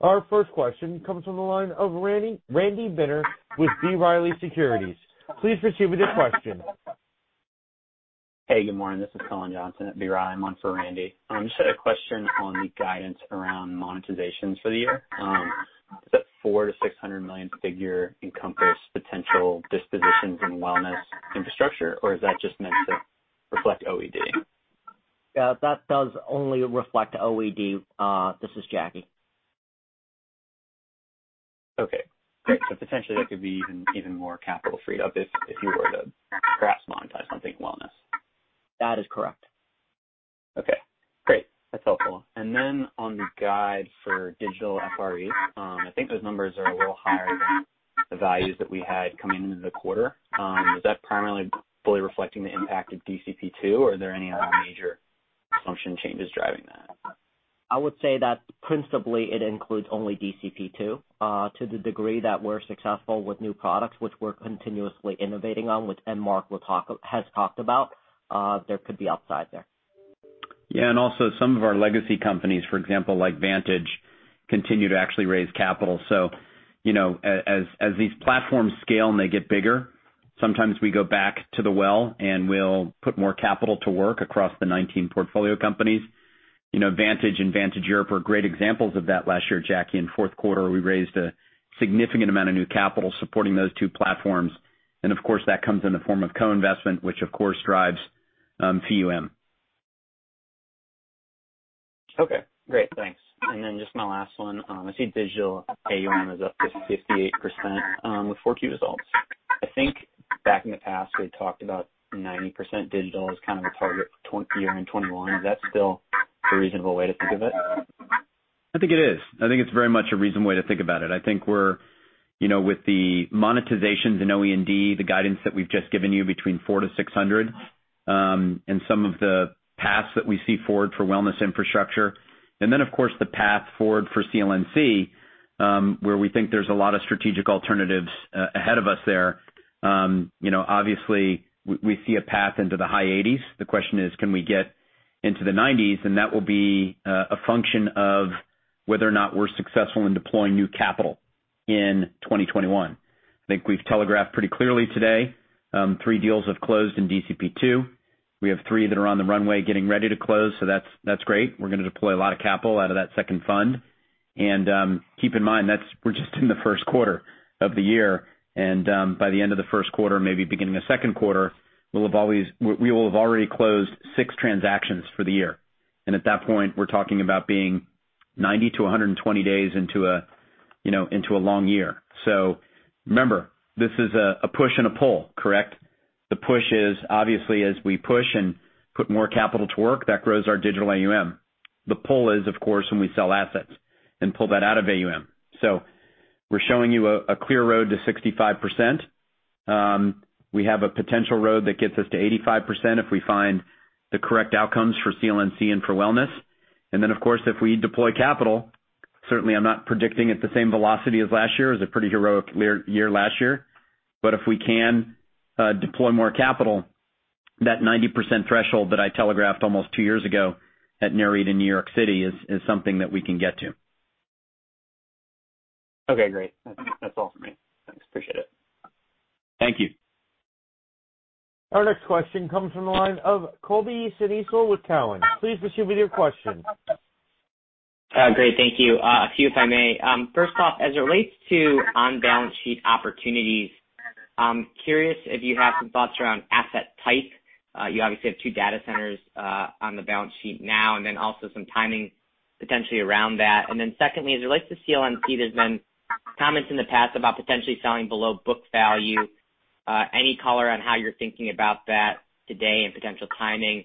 Our first question comes from the line of Randy Binner with B. Riley Securities. Please proceed with your question. Hey, good morning. This is Colin Johnson at B. Riley. I'm on for Randy. I just had a question on the guidance around monetizations for the year. Is that $400 million-$600 million figure encompass potential dispositions and wellness infrastructure, or is that just meant to reflect OE&D? That does only reflect OE&D. This is Jacky. Okay. Great. So potentially, that could be even more capital freed up if you were to perhaps monetize something in wellness. That is correct. Okay. Great. That's helpful. And then on the guide for digital FRE, I think those numbers are a little higher than the values that we had coming into the quarter. Is that primarily fully reflecting the impact of DCP II, or are there any other major function changes driving that? I would say that principally, it includes only DCP II to the degree that we're successful with new products, which we're continuously innovating on, which and Marc has talked about. There could be upside there. Yeah. And also, some of our legacy companies, for example, like Vantage, continue to actually raise capital. So as these platforms scale and they get bigger, sometimes we go back to the well and we'll put more capital to work across the 19 portfolio companies. Vantage and Vantage Europe are great examples of that. Last year, Jacky, in fourth quarter, we raised a significant amount of new capital supporting those two platforms. And of course, that comes in the form of co-investment, which of course drives AUM. Okay. Great. Thanks. And then just my last one. I see digital AUM is up to 58% with four key results. I think back in the past, we had talked about 90% digital as kind of a target year in 2021. Is that still a reasonable way to think of it? I think it is. I think it's very much a reasonable way to think about it. I think we're with the monetizations and OE&D, the guidance that we've just given you between $400 million-$600 million some of the paths that we see forward for wellness infrastructure. And then, of course, the path forward for CLNC, where we think there's a lot of strategic alternatives ahead of us there. Obviously, we see a path into the high 80s. The question is, can we get into the 90s? And that will be a function of whether or not we're successful in deploying new capital in 2021. I think we've telegraphed pretty clearly today. Three deals have closed in DCP II. We have three that are on the runway getting ready to close. So that's great. We're going to deploy a lot of capital out of that second fund. Keep in mind, we're just in the first quarter of the year. By the end of the first quarter, maybe beginning of second quarter, we'll have already closed six transactions for the year. At that point, we're talking about being 90 day-120 days into a long year. So remember, this is a push and a pull, correct? The push is, obviously, as we push and put more capital to work, that grows our digital AUM. The pull is, of course, when we sell assets and pull that out of AUM. So we're showing you a clear road to 65%. We have a potential road that gets us to 85% if we find the correct outcomes for CLNC and for wellness. And then, of course, if we deploy capital, certainly, I'm not predicting at the same velocity as last year, but it was a pretty heroic year last year. If we can deploy more capital, that 90% threshold that I telegraphed almost two years ago at NAREIT in New York City is something that we can get to. Okay. Great. That's all for me. Thanks. Appreciate it. Thank you. Our next question comes from the line of Colby Synesael with Cowen. Please proceed with your question. Great. Thank you. A few, if I may. First off, as it relates to on-balance sheet opportunities, I'm curious if you have some thoughts around asset type. You obviously have two data centers on the balance sheet now, and then also some timing potentially around that. And then secondly, as it relates to CLNC, there's been comments in the past about potentially selling below book value. Any color on how you're thinking about that today and potential timing?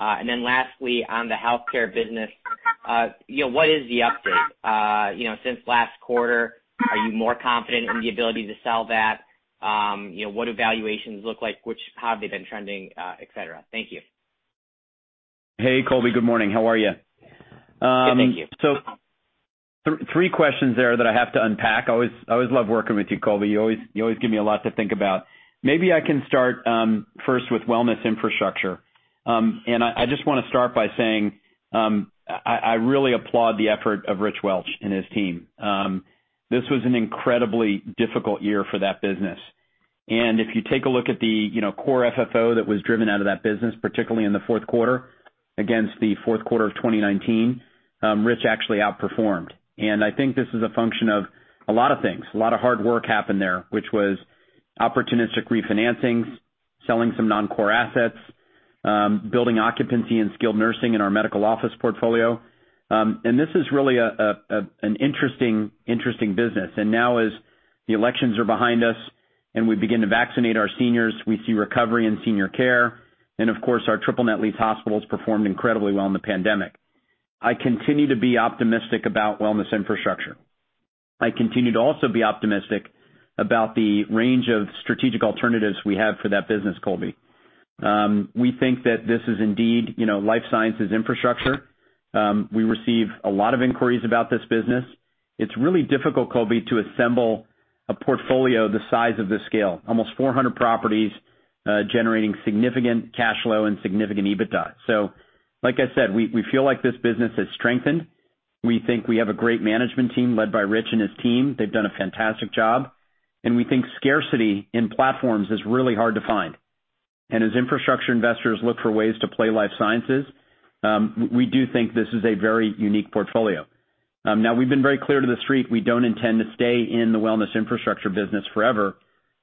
And then lastly, on the healthcare business, what is the update? Since last quarter, are you more confident in the ability to sell that? What do valuations look like? How have they been trending, etc.? Thank you. Hey, Colby. Good morning. How are you? Good. Thank you. So three questions there that I have to unpack. I always love working with you, Colby. You always give me a lot to think about. Maybe I can start first with wellness infrastructure. And I just want to start by saying I really applaud the effort of Rich Welch and his team. This was an incredibly difficult year for that business. And if you take a look at the core FFO that was driven out of that business, particularly in the fourth quarter against the fourth quarter of 2019, Rich actually outperformed. And I think this is a function of a lot of things. A lot of hard work happened there, which was opportunistic refinancings, selling some non-core assets, building occupancy and skilled nursing in our medical office portfolio. And this is really an interesting business. And now, as the elections are behind us and we begin to vaccinate our seniors, we see recovery in senior care. And of course, our triple-net lease hospitals performed incredibly well in the pandemic. I continue to be optimistic about wellness infrastructure. I continue to also be optimistic about the range of strategic alternatives we have for that business, Colby. We think that this is indeed life sciences infrastructure. We receive a lot of inquiries about this business. It's really difficult, Colby, to assemble a portfolio the size of this scale, almost 400 properties generating significant cash flow and significant EBITDA. So like I said, we feel like this business has strengthened. We think we have a great management team led by Rich and his team. They've done a fantastic job. And we think scarcity in platforms is really hard to find. As infrastructure investors look for ways to play life sciences, we do think this is a very unique portfolio. Now, we've been very clear to the street. We don't intend to stay in the wellness infrastructure business forever.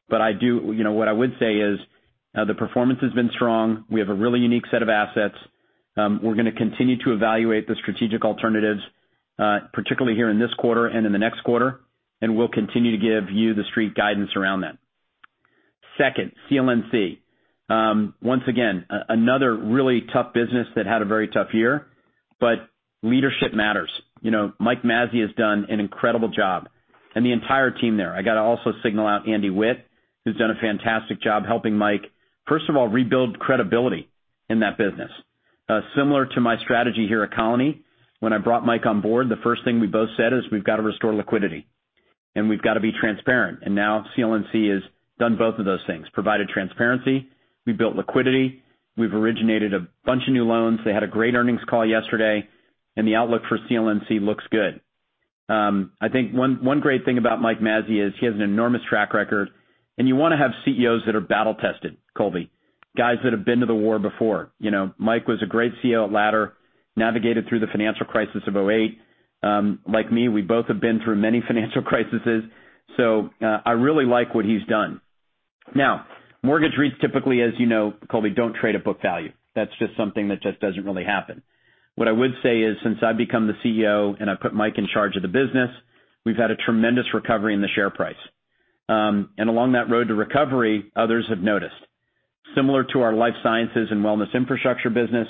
What I would say is the performance has been strong. We have a really unique set of assets. We're going to continue to evaluate the strategic alternatives, particularly here in this quarter and in the next quarter. We'll continue to give you the street guidance around that. Second, CLNC. Once again, another really tough business that had a very tough year. Leadership matters. Mike Mazzei has done an incredible job. The entire team there. I got to also single out Andy Witt, who's done a fantastic job helping Mike, first of all, rebuild credibility in that business. Similar to my strategy here at Colony, when I brought Mike on board, the first thing we both said is we've got to restore liquidity. And we've got to be transparent. And now CLNC has done both of those things, provided transparency. We built liquidity. We've originated a bunch of new loans. They had a great earnings call yesterday. And the outlook for CLNC looks good. I think one great thing about Mike Mazzei is he has an enormous track record. And you want to have CEOs that are battle-tested, Colby, guys that have been to the war before. Mike was a great CEO at Ladder, navigated through the financial crisis of 2008. Like me, we both have been through many financial crises. So I really like what he's done. Now, mortgage REITs, typically, as you know, Colby, don't trade at book value. That's just something that just doesn't really happen. What I would say is, since I've become the CEO and I put Mike in charge of the business, we've had a tremendous recovery in the share price. And along that road to recovery, others have noticed. Similar to our life sciences and wellness infrastructure business,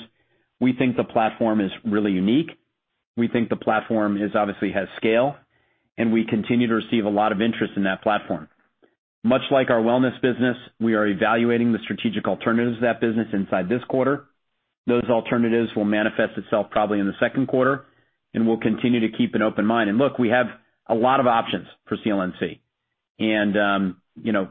we think the platform is really unique. We think the platform obviously has scale. And we continue to receive a lot of interest in that platform. Much like our wellness business, we are evaluating the strategic alternatives of that business inside this quarter. Those alternatives will manifest itself probably in the second quarter. And we'll continue to keep an open mind. And look, we have a lot of options for CLNC. And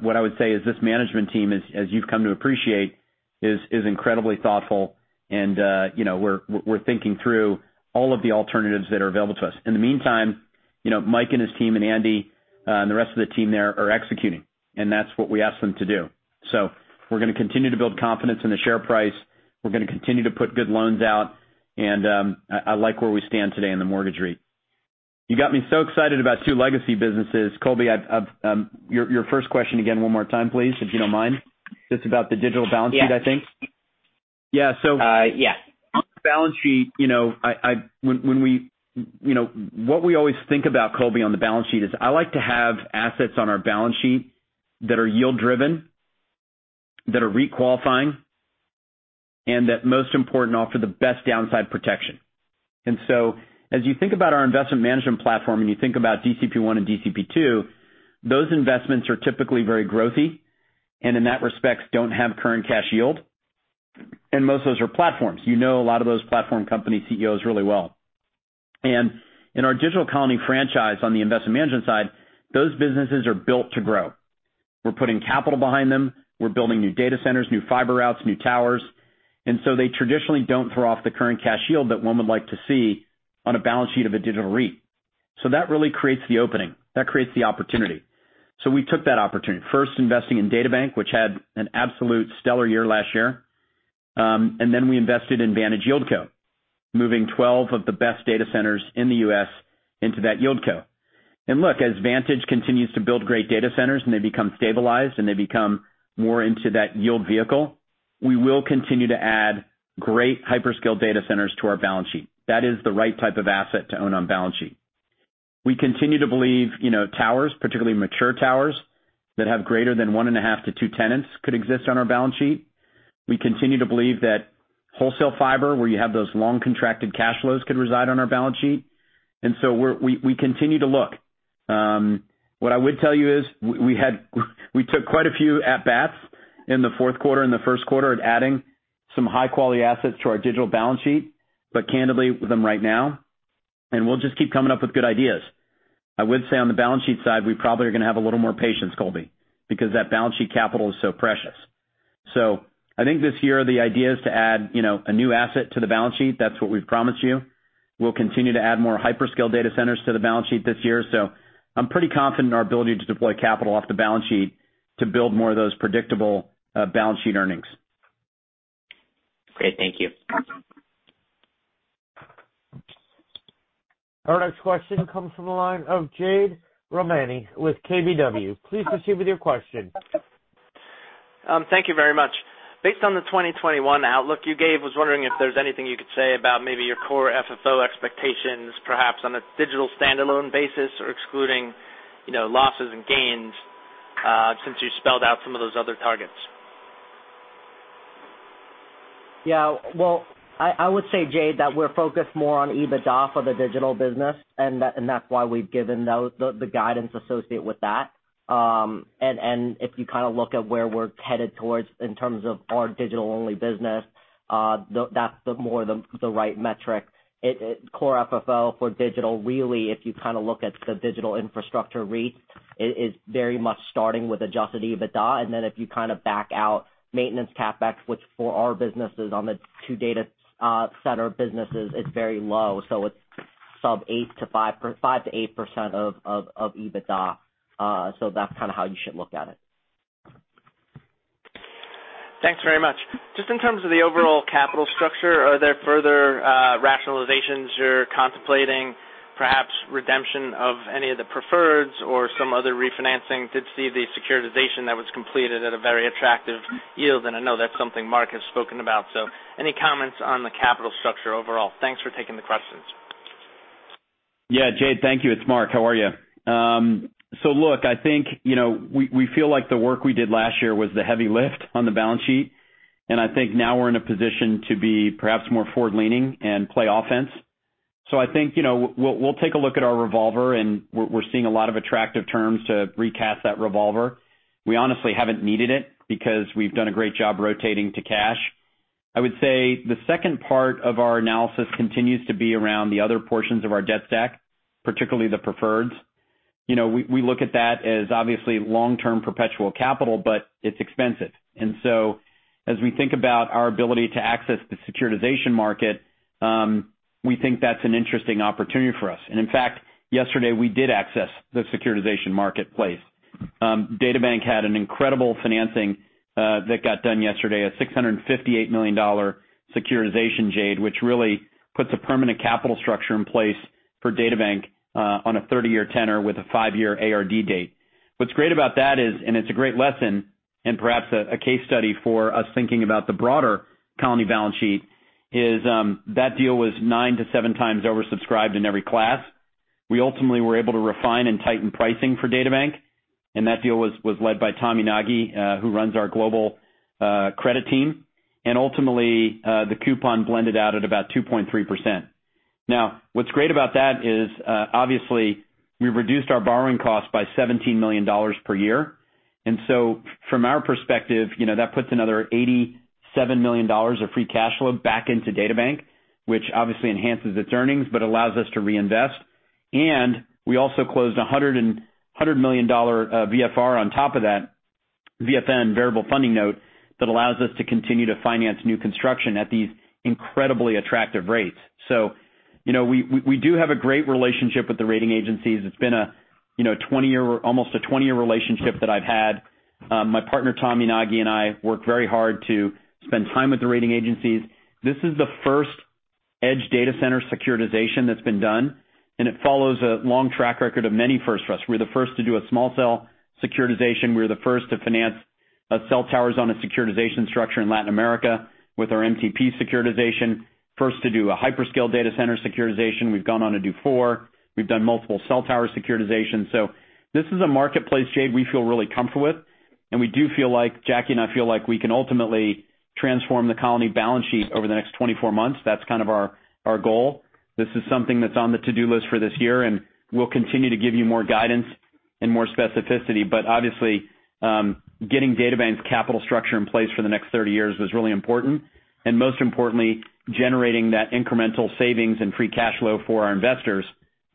what I would say is this management team, as you've come to appreciate, is incredibly thoughtful. And we're thinking through all of the alternatives that are available to us. In the meantime, Mike and his team and Andy and the rest of the team there are executing. And that's what we ask them to do. So we're going to continue to build confidence in the share price. We're going to continue to put good loans out. And I like where we stand today in the mortgage REIT. You got me so excited about two legacy businesses. Colby, your first question again one more time, please, if you don't mind. It's about the digital balance sheet, I think. Yeah. So. Yeah. On the balance sheet, what we always think about, Colby, on the balance sheet is I like to have assets on our balance sheet that are yield-driven, that are requalifying, and that, most important, offer the best downside protection. And so as you think about our investment management platform and you think about DCP I and DCP II, those investments are typically very growthy and, in that respect, don't have current cash yield. And most of those are platforms. You know a lot of those platform company CEOs really well. And in our Digital Colony franchise on the investment management side, those businesses are built to grow. We're putting capital behind them. We're building new data centers, new fiber routes, new towers. And so they traditionally don't throw off the current cash yield that one would like to see on a balance sheet of a digital REIT. So that really creates the opening. That creates the opportunity. So we took that opportunity, first investing in DataBank, which had an absolute stellar year last year. And then we invested in Vantage YieldCo, moving 12 of the best data centers in the U.S. into that YieldCo. And look, as Vantage continues to build great data centers and they become stabilized and they become more into that yield vehicle, we will continue to add great hyperscale data centers to our balance sheet. That is the right type of asset to own on balance sheet. We continue to believe towers, particularly mature towers that have greater than 1.5 to two tenants could exist on our balance sheet. We continue to believe that wholesale fiber, where you have those long contracted cash flows, could reside on our balance sheet. And so we continue to look. What I would tell you is we took quite a few at-bats in the fourth quarter and the first quarter at adding some high-quality assets to our digital balance sheet, but candidly, them right now, and we'll just keep coming up with good ideas. I would say on the balance sheet side, we probably are going to have a little more patience, Colby, because that balance sheet capital is so precious, so I think this year, the idea is to add a new asset to the balance sheet. That's what we've promised you. We'll continue to add more hyperscale data centers to the balance sheet this year, so I'm pretty confident in our ability to deploy capital off the balance sheet to build more of those predictable balance sheet earnings. Great. Thank you. Our next question comes from the line of Jade Rahmani with KBW. Please proceed with your question. Thank you very much. Based on the 2021 outlook you gave, I was wondering if there's anything you could say about maybe your core FFO expectations, perhaps on a digital standalone basis or excluding losses and gains since you spelled out some of those other targets? Yeah. Well, I would say, Jade, that we're focused more on EBITDA for the digital business. And that's why we've given the guidance associated with that. And if you kind of look at where we're headed towards in terms of our digital-only business, that's more the right metric. Core FFO for digital, really, if you kind of look at the digital infrastructure REIT, is very much starting with adjusted EBITDA. And then if you kind of back out maintenance CapEx, which for our businesses on the two data center businesses, it's very low. So it's sub-8% to 5%-8% of EBITDA. So that's kind of how you should look at it. Thanks very much. Just in terms of the overall capital structure, are there further rationalizations you're contemplating, perhaps redemption of any of the preferreds or some other refinancing to see the securitization that was completed at a very attractive yield? And I know that's something Marc has spoken about. So any comments on the capital structure overall? Thanks for taking the questions. Yeah. Jade, thank you. It's Marc. How are you? So look, I think we feel like the work we did last year was the heavy lift on the balance sheet. And I think now we're in a position to be perhaps more forward-leaning and play offense. So I think we'll take a look at our revolver. And we're seeing a lot of attractive terms to recast that revolver. We honestly haven't needed it because we've done a great job rotating to cash. I would say the second part of our analysis continues to be around the other portions of our debt stack, particularly the preferreds. We look at that as obviously long-term perpetual capital, but it's expensive. And so as we think about our ability to access the securitization market, we think that's an interesting opportunity for us. And in fact, yesterday, we did access the securitization marketplace. DataBank had an incredible financing that got done yesterday, a $658 million securitization, Jade, which really puts a permanent capital structure in place for DataBank on a 30-year tenor with a 5-year ARD date. What's great about that is, and it's a great lesson and perhaps a case study for us thinking about the broader Colony balance sheet, is that deal was nine to seven times oversubscribed in every class. We ultimately were able to refine and tighten pricing for DataBank. And that deal was led by Tommy Yanagi, who runs our Global Credit Team. And ultimately, the coupon blended out at about 2.3%. Now, what's great about that is, obviously, we've reduced our borrowing cost by $17 million per year. And so from our perspective, that puts another $87 million of free cash flow back into DataBank, which obviously enhances its earnings but allows us to reinvest. And we also closed a $100 million VFR on top of that VFN variable funding note that allows us to continue to finance new construction at these incredibly attractive rates. So we do have a great relationship with the rating agencies. It's been almost a 20-year relationship that I've had. My partner, Tommy Yanagi, and I work very hard to spend time with the rating agencies. This is the first Edge data center securitization that's been done. And it follows a long track record of many firsts. We're the first to do a small cell securitization. We're the first to finance cell towers on a securitization structure in Latin America with our MTP securitization, first to do a hyperscale data center securitization. We've gone on to do four. We've done multiple cell tower securitizations. So this is a marketplace, Jade, we feel really comfortable with. And we do feel like, Jacky and I feel like, we can ultimately transform the Colony balance sheet over the next 24 months. That's kind of our goal. This is something that's on the to-do list for this year. And we'll continue to give you more guidance and more specificity. But obviously, getting DataBank's capital structure in place for the next 30 years was really important. And most importantly, generating that incremental savings and free cash flow for our investors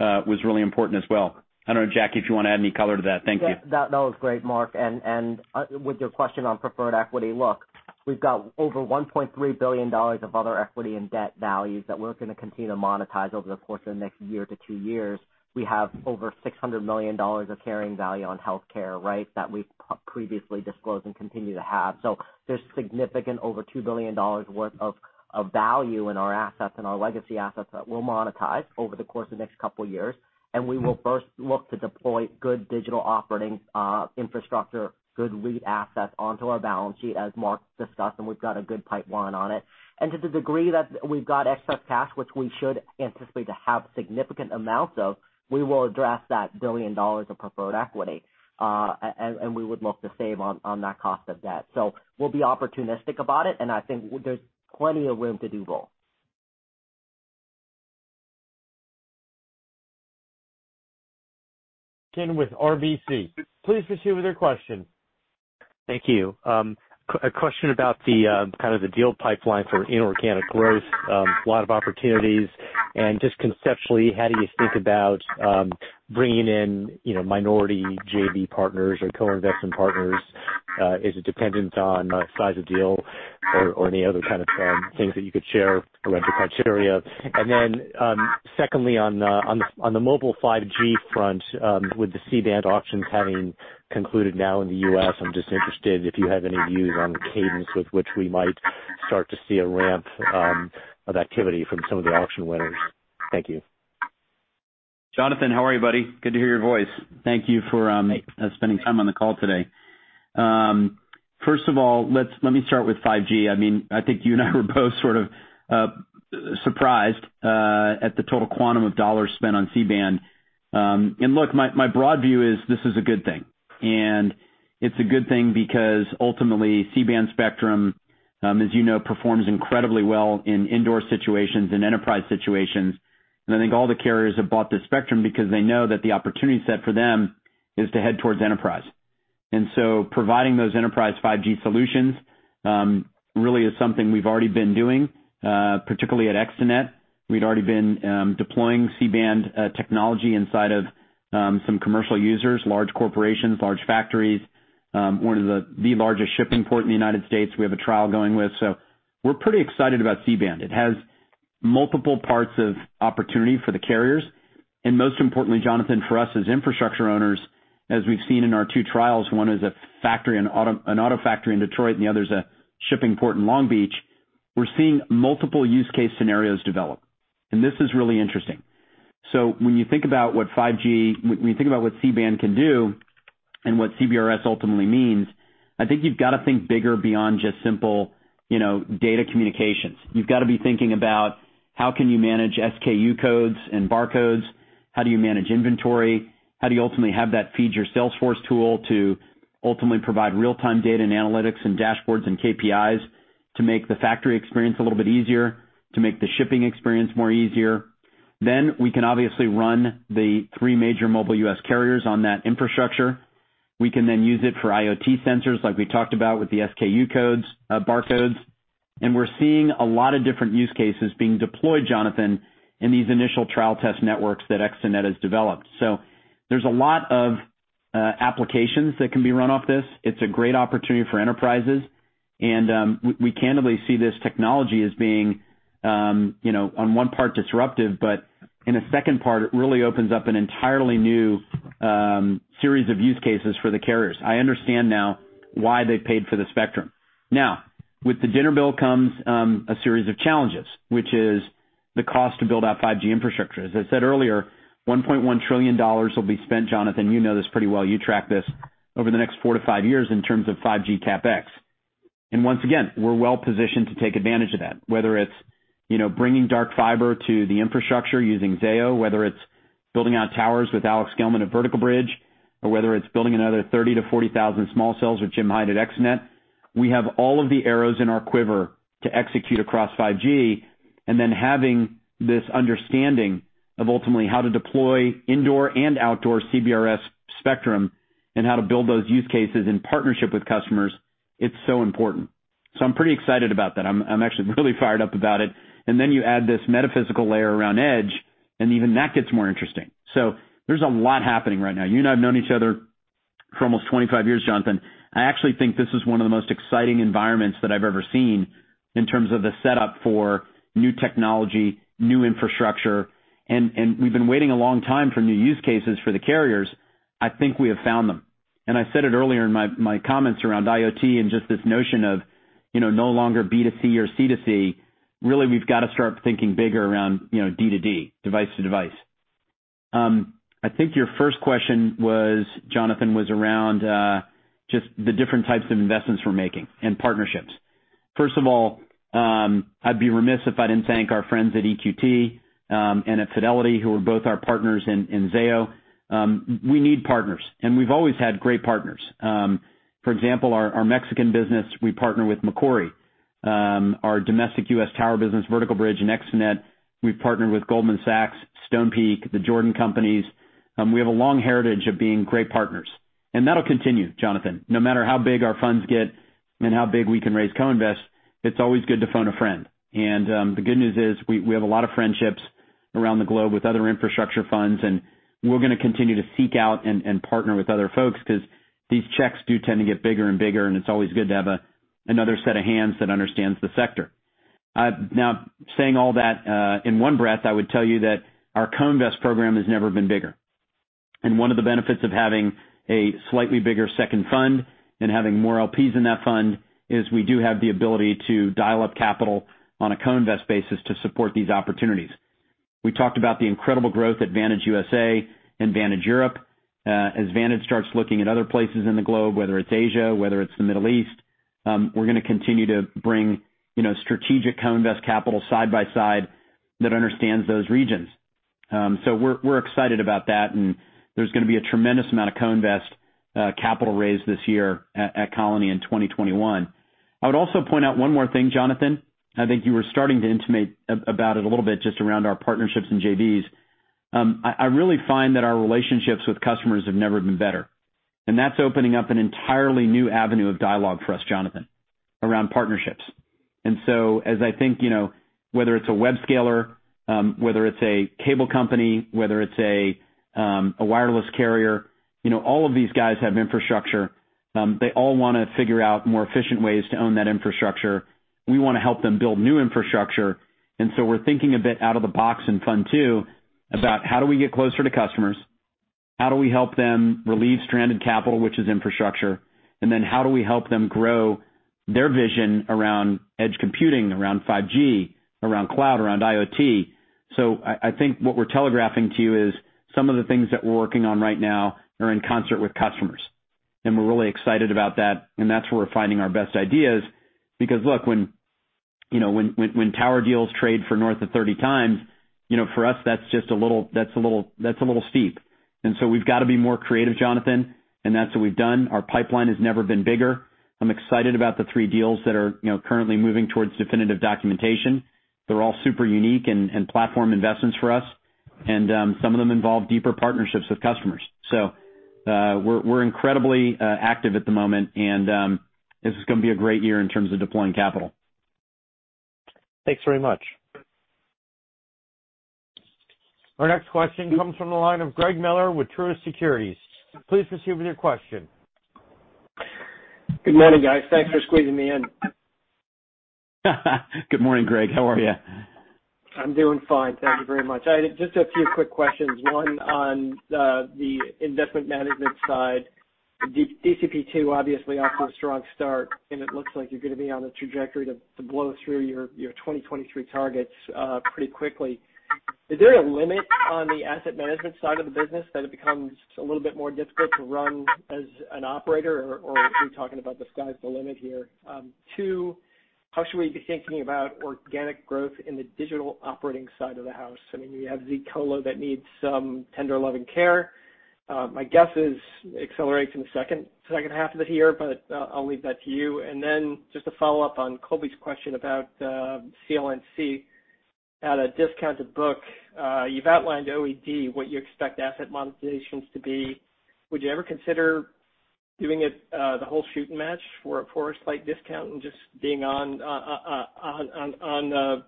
was really important as well. I don't know, Jacky, if you want to add any color to that. Thank you. That was great, Marc. And with your question on preferred equity, look, we've got over $1.3 billion of other equity and debt values that we're going to continue to monetize over the course of the next year to two years. We have over $600 million of carrying value on healthcare, right, that we've previously disclosed and continue to have. So there's significant over $2 billion worth of value in our assets and our legacy assets that we'll monetize over the course of the next couple of years. And we will first look to deploy good digital operating infrastructure, good REIT assets onto our balance sheet, as Marc discussed. And we've got a good pipeline on it. And to the degree that we've got excess cash, which we should anticipate to have significant amounts of, we will address that billion dollars of preferred equity. We would look to save on that cost of debt, so we'll be opportunistic about it, and I think there's plenty of room to do both. Jonathan with RBC. Please proceed with your question. Thank you. A question about kind of the deal pipeline for inorganic growth, a lot of opportunities. And just conceptually, how do you think about bringing in minority JV partners or co-investment partners? Is it dependent on size of deal or any other kind of things that you could share around your criteria? And then secondly, on the mobile 5G front, with the C-band auctions having concluded now in the U.S., I'm just interested if you have any views on the cadence with which we might start to see a ramp of activity from some of the auction winners. Thank you. Jonathan, how are you, buddy? Good to hear your voice. Thank you for spending time on the call today. First of all, let me start with 5G. I mean, I think you and I were both sort of surprised at the total quantum of dollars spent on C-band. And look, my broad view is this is a good thing. And it's a good thing because ultimately, C-band spectrum, as you know, performs incredibly well in indoor situations and enterprise situations. And I think all the carriers have bought this spectrum because they know that the opportunity set for them is to head towards enterprise. And so providing those enterprise 5G solutions really is something we've already been doing, particularly at ExteNet. We've already been deploying C-band technology inside of some commercial users, large corporations, large factories, one of the largest shipping ports in the United States. We have a trial going with. So we're pretty excited about C-band. It has multiple parts of opportunity for the carriers. And most importantly, Jonathan, for us as infrastructure owners, as we've seen in our two trials, one is an auto factory in Detroit and the other is a shipping port in Long Beach. We're seeing multiple use case scenarios develop. And this is really interesting. So when you think about what 5G, when you think about what C-band can do and what CBRS ultimately means, I think you've got to think bigger beyond just simple data communications. You've got to be thinking about how can you manage SKU codes and barcodes, how do you manage inventory, how do you ultimately have that feed your Salesforce tool to ultimately provide real-time data and analytics and dashboards and KPIs to make the factory experience a little bit easier, to make the shipping experience more easier. Then we can obviously run the three major mobile U.S. carriers on that infrastructure. We can then use it for IoT sensors like we talked about with the SKU codes, barcodes. And we're seeing a lot of different use cases being deployed, Jonathan, in these initial trial test networks that ExteNet has developed. So there's a lot of applications that can be run off this. It's a great opportunity for enterprises. And we candidly see this technology as being, on one part, disruptive. But in a second part, it really opens up an entirely new series of use cases for the carriers. I understand now why they paid for the spectrum. Now, with the dinner bill comes a series of challenges, which is the cost to build out 5G infrastructure. As I said earlier, $1.1 trillion will be spent, Jonathan. You know this pretty well. You track this over the next four to five years in terms of 5G CapEx. And once again, we're well positioned to take advantage of that, whether it's bringing dark fiber to the infrastructure using Zayo, whether it's building out towers with Alex Gellman at Vertical Bridge, or whether it's building another 30,000-40,000 small cells with Jim Hyde at ExteNet. We have all of the arrows in our quiver to execute across 5G. Having this understanding of ultimately how to deploy indoor and outdoor CBRS spectrum and how to build those use cases in partnership with customers, it's so important. So I'm pretty excited about that. I'm actually really fired up about it. Then you add this metaphysical layer around Edge, and even that gets more interesting. So there's a lot happening right now. You and I have known each other for almost 25 years, Jonathan. I actually think this is one of the most exciting environments that I've ever seen in terms of the setup for new technology, new infrastructure. We've been waiting a long time for new use cases for the carriers. I think we have found them. And I said it earlier in my comments around IoT and just this notion of no longer B2C or C2C, really, we've got to start thinking bigger around D2D, device-to-device. I think your first question was, Jonathan, was around just the different types of investments we're making and partnerships. First of all, I'd be remiss if I didn't thank our friends at EQT and at Fidelity, who are both our partners in Zayo. We need partners. And we've always had great partners. For example, our Mexican business, we partner with Macquarie. Our domestic US tower business, Vertical Bridge and ExteNet, we've partnered with Goldman Sachs, Stonepeak, the Jordan Company. We have a long heritage of being great partners. And that'll continue, Jonathan. No matter how big our funds get and how big we can raise co-invest, it's always good to phone a friend. And the good news is we have a lot of friendships around the globe with other infrastructure funds. And we're going to continue to seek out and partner with other folks because these checks do tend to get bigger and bigger. And it's always good to have another set of hands that understands the sector. Now, saying all that in one breath, I would tell you that our co-invest program has never been bigger. And one of the benefits of having a slightly bigger second fund and having more LPs in that fund is we do have the ability to dial up capital on a co-invest basis to support these opportunities. We talked about the incredible growth at Vantage USA and Vantage Europe. As Vantage starts looking at other places in the globe, whether it's Asia, whether it's the Middle East, we're going to continue to bring strategic co-invest capital side by side that understands those regions, so we're excited about that, and there's going to be a tremendous amount of co-invest capital raised this year at Colony in 2021. I would also point out one more thing, Jonathan. I think you were starting to intimate about it a little bit just around our partnerships and JVs. I really find that our relationships with customers have never been better, and that's opening up an entirely new avenue of dialogue for us, Jonathan, around partnerships, and so as I think, whether it's a web scaler, whether it's a cable company, whether it's a wireless carrier, all of these guys have infrastructure. They all want to figure out more efficient ways to own that infrastructure. We want to help them build new infrastructure. And so we're thinking a bit out of the box and fun too about how do we get closer to customers, how do we help them relieve stranded capital, which is infrastructure, and then how do we help them grow their vision around Edge computing, around 5G, around cloud, around IoT. So I think what we're telegraphing to you is some of the things that we're working on right now are in concert with customers. And we're really excited about that. And that's where we're finding our best ideas. Because look, when tower deals trade for north of 30 times, for us, that's just a little steep. And so we've got to be more creative, Jonathan. And that's what we've done. Our pipeline has never been bigger. I'm excited about the three deals that are currently moving towards definitive documentation. They're all super unique and platform investments for us, and some of them involve deeper partnerships with customers, so we're incredibly active at the moment, and this is going to be a great year in terms of deploying capital. Thanks very much. Our next question comes from the line of Greg Miller with Truist Securities. Please proceed with your question. Good morning, guys. Thanks for squeezing me in. Good morning, Greg. How are you? I'm doing fine. Thank you very much. Just a few quick questions. One on the investment management side. DCP II obviously off to a strong start. And it looks like you're going to be on a trajectory to blow through your 2023 targets pretty quickly. Is there a limit on the asset management side of the business that it becomes a little bit more difficult to run as an operator, or are we talking about the sky's the limit here? Two, how should we be thinking about organic growth in the digital operating side of the house? I mean, you have zColo that needs some tender loving care. My guess is it accelerates in the second half of the year, but I'll leave that to you. And then just to follow up on Colby's question about CLNC at a discounted book, you've outlined OE&D, what you expect asset monetizations to be. Would you ever consider doing the whole shooting match for a full REIT discount and just being on an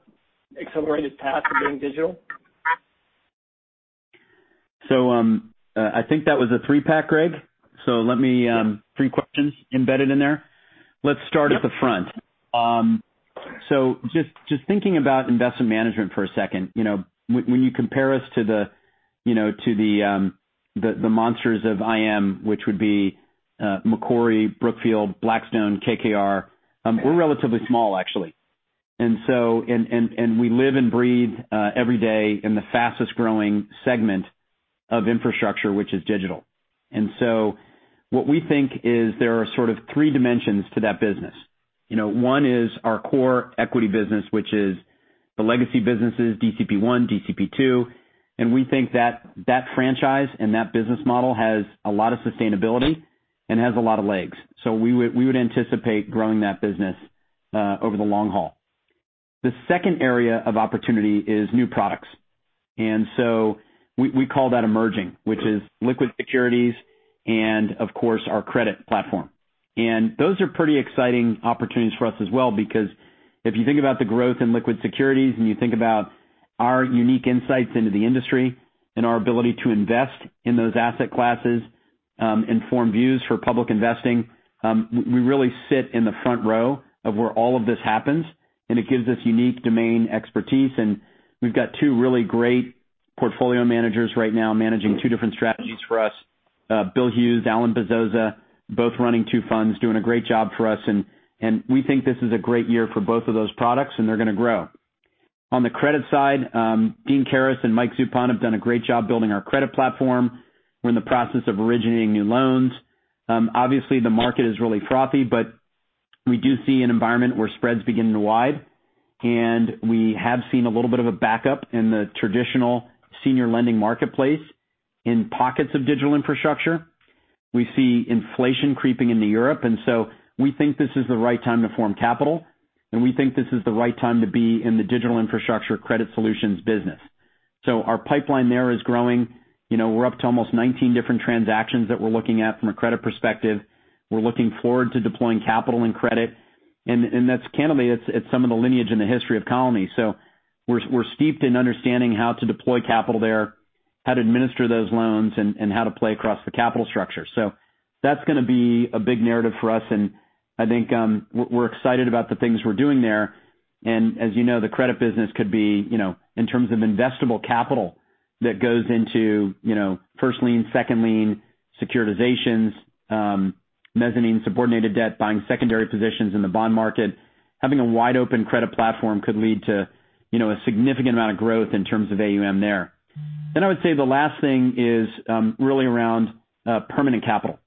accelerated path to being digital? I think that was a three-pack, Greg. Three questions embedded in there. Let's start at the front. Just thinking about investment management for a second, when you compare us to the monsters of IM, which would be Macquarie, Brookfield, Blackstone, KKR, we're relatively small, actually. We live and breathe every day in the fastest-growing segment of infrastructure, which is digital. What we think is there are sort of three dimensions to that business. One is our core equity business, which is the legacy businesses, DCP I, DCP II. We think that that franchise and that business model has a lot of sustainability and has a lot of legs. We would anticipate growing that business over the long haul. The second area of opportunity is new products. We call that emerging, which is liquid securities and, of course, our credit platform. And those are pretty exciting opportunities for us as well because if you think about the growth in liquid securities and you think about our unique insights into the industry and our ability to invest in those asset classes and form views for public investing, we really sit in the front row of where all of this happens. And it gives us unique domain expertise. And we've got two really great portfolio managers right now managing two different strategies for us, Bill Hughes, Alan Bezoza, both running two funds, doing a great job for us. And we think this is a great year for both of those products, and they're going to grow. On the credit side, Dean Criares and Mike Zupon have done a great job building our credit platform. We're in the process of originating new loans. Obviously, the market is really frothy, but we do see an environment where spreads begin to widen. And we have seen a little bit of a backup in the traditional senior lending marketplace in pockets of digital infrastructure. We see inflation creeping into Europe. And so we think this is the right time to form capital. And we think this is the right time to be in the digital infrastructure credit solutions business. So our pipeline there is growing. We're up to almost 19 different transactions that we're looking at from a credit perspective. We're looking forward to deploying capital and credit. And that's candidly, it's some of the lineage in the history of Colony. So we're steeped in understanding how to deploy capital there, how to administer those loans, and how to play across the capital structure. So that's going to be a big narrative for us. I think we're excited about the things we're doing there. As you know, the credit business could be, in terms of investable capital that goes into first lien, second lien, securitizations, mezzanine subordinated debt, buying secondary positions in the bond market, having a wide open credit platform could lead to a significant amount of growth in terms of AUM there. I would say the last thing is really around permanent capital.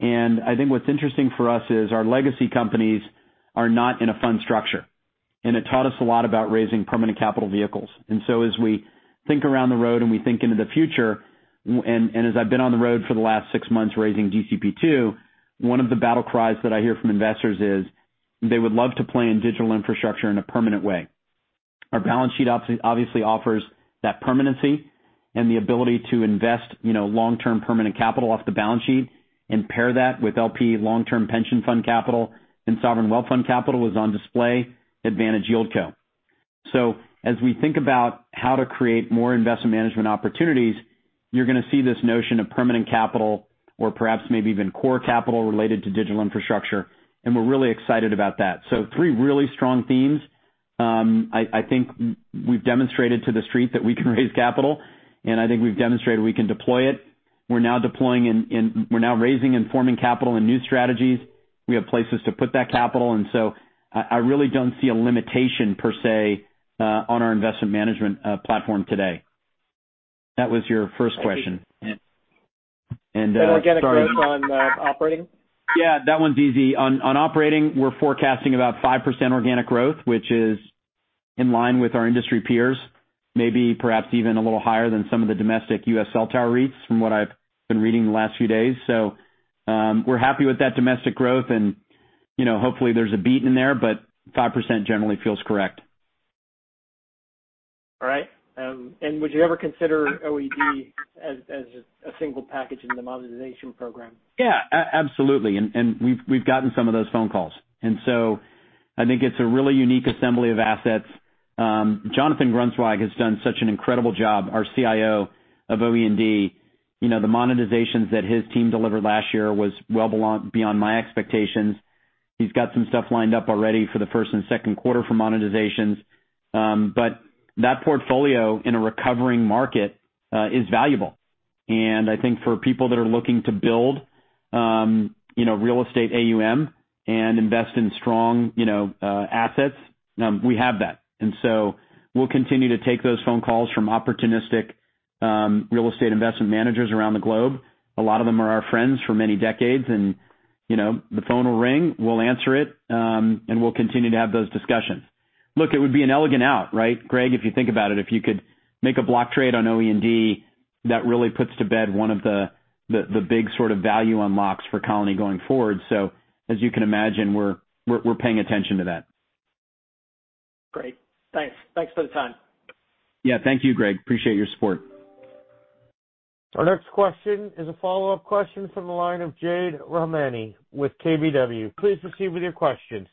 I think what's interesting for us is our legacy companies are not in a fund structure. It taught us a lot about raising permanent capital vehicles. And so as we think on the road and we think into the future, and as I've been on the road for the last six months raising DCP II, one of the battle cries that I hear from investors is they would love to play in digital infrastructure in a permanent way. Our balance sheet obviously offers that permanency and the ability to invest long-term permanent capital off the balance sheet and pair that with LP long-term pension fund capital and sovereign wealth fund capital is on display at Vantage YieldCo. So as we think about how to create more investment management opportunities, you're going to see this notion of permanent capital or perhaps maybe even core capital related to digital infrastructure. And we're really excited about that. So three really strong themes. I think we've demonstrated to the street that we can raise capital. I think we've demonstrated we can deploy it. We're now deploying and we're now raising and forming capital and new strategies. We have places to put that capital. So I really don't see a limitation per se on our investment management platform today. That was your first question. And. And organic growth on operating? Yeah, that one's easy. On operating, we're forecasting about 5% organic growth, which is in line with our industry peers, maybe perhaps even a little higher than some of the domestic U.S. cell tower REITs from what I've been reading the last few days. So we're happy with that domestic growth. And hopefully, there's a beat in there, but 5% generally feels correct. All right. And would you ever consider OE&D as a single package in the monetization program? Yeah, absolutely. And we've gotten some of those phone calls. And so I think it's a really unique assembly of assets. Jonathan Grunzweig has done such an incredible job, our CIO of OE&D. The monetizations that his team delivered last year were well beyond my expectations. He's got some stuff lined up already for the first and second quarter for monetizations. But that portfolio in a recovering market is valuable. And I think for people that are looking to build real estate AUM and invest in strong assets, we have that. And so we'll continue to take those phone calls from opportunistic real estate investment managers around the globe. A lot of them are our friends for many decades. And the phone will ring. We'll answer it. And we'll continue to have those discussions. Look, it would be an elegant out, right, Greg, if you think about it? If you could make a block trade on OE&D, that really puts to bed one of the big sort of value unlocks for Colony going forward. So as you can imagine, we're paying attention to that. Great. Thanks. Thanks for the time. Yeah, thank you, Greg. Appreciate your support. Our next question is a follow-up question from the line of Jade Rahmani with KBW. Please proceed with your question.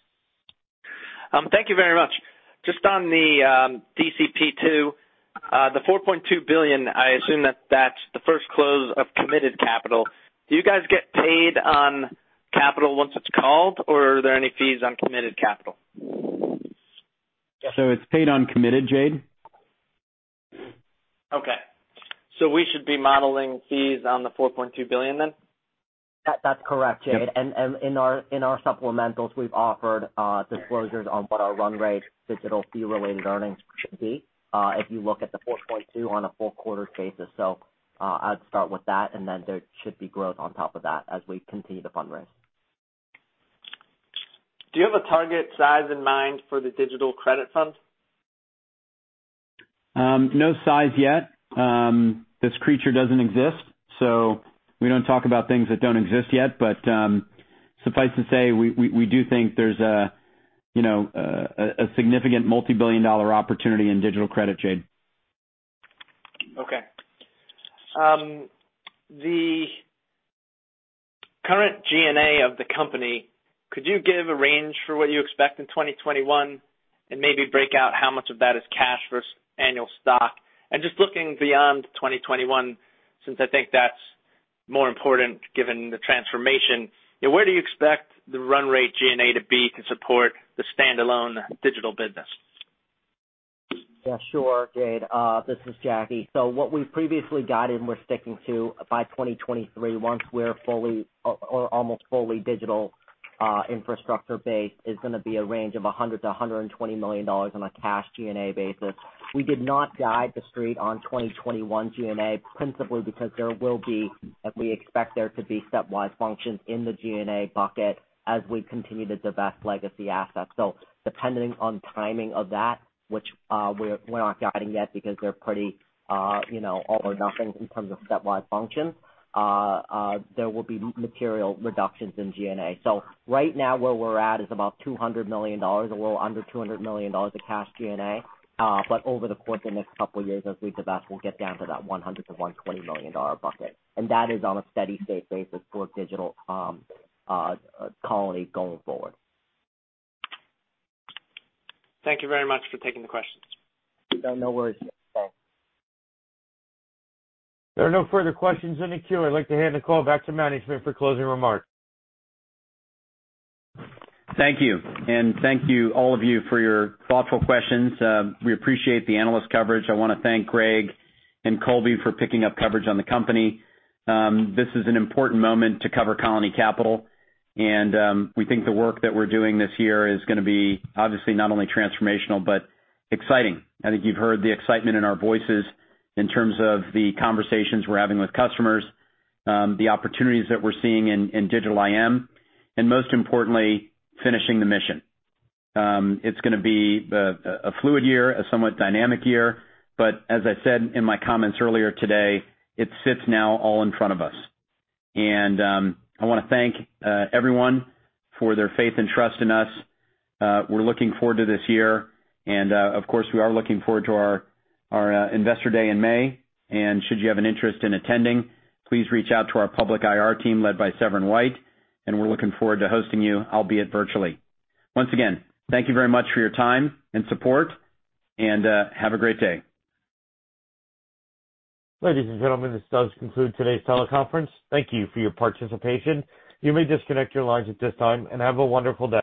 Thank you very much. Just on the DCP2, the $4.2 billion, I assume that that's the first close of committed capital. Do you guys get paid on capital once it's called, or are there any fees on committed capital? It's paid on committed, Jade. Okay, so we should be modeling fees on the $4.2 billion then? That's correct, Jade. And in our supplementals, we've offered disclosures on what our run rate, digital fee-related earnings should be if you look at the 4.2% on a four-quarter basis. So I'd start with that. And then there should be growth on top of that as we continue to fundraise. Do you have a target size in mind for the digital credit fund? No size yet. This creature doesn't exist. So we don't talk about things that don't exist yet. But suffice to say, we do think there's a significant multi-billion-dollar opportunity in digital credit, Jade. Okay. The current G&A of the company, could you give a range for what you expect in 2021 and maybe break out how much of that is cash versus annual stock? And just looking beyond 2021, since I think that's more important given the transformation, where do you expect the run rate G&A to be to support the standalone digital business? Yeah, sure, Jade. This is Jacky. So what we've previously guided and we're sticking to by 2023, once we're fully or almost fully digital infrastructure-based, is going to be a range of $100 million-$120 million on a cash G&A basis. We did not guide the street on 2021 G&A principally because there will be, and we expect there to be stepwise functions in the G&A bucket as we continue to divest legacy assets. So depending on timing of that, which we're not guiding yet because they're pretty all or nothing in terms of stepwise functions, there will be material reductions in G&A. So right now, where we're at is about $200 million, a little under $200 million of cash G&A. But over the course of the next couple of years, as we divest, we'll get down to that $100 million-$120 million bucket. That is on a steady-state basis for Digital Colony going forward. Thank you very much for taking the questions. No worries. There are no further questions in the queue. I'd like to hand the call back to management for closing remarks. Thank you. And thank you, all of you, for your thoughtful questions. We appreciate the analyst coverage. I want to thank Greg and Colby for picking up coverage on the company. This is an important moment to cover Colony Capital. And we think the work that we're doing this year is going to be obviously not only transformational, but exciting. I think you've heard the excitement in our voices in terms of the conversations we're having with customers, the opportunities that we're seeing in digital IM, and most importantly, finishing the mission. It's going to be a fluid year, a somewhat dynamic year. But as I said in my comments earlier today, it sits now all in front of us. And I want to thank everyone for their faith and trust in us. We're looking forward to this year. Of course, we are looking forward to our Investor Day in May. Should you have an interest in attending, please reach out to our public IR team led by Severin White. We're looking forward to hosting you, albeit virtually. Once again, thank you very much for your time and support. Have a great day. Ladies and gentlemen, this does conclude today's teleconference. Thank you for your participation. You may disconnect your lines at this time and have a wonderful day.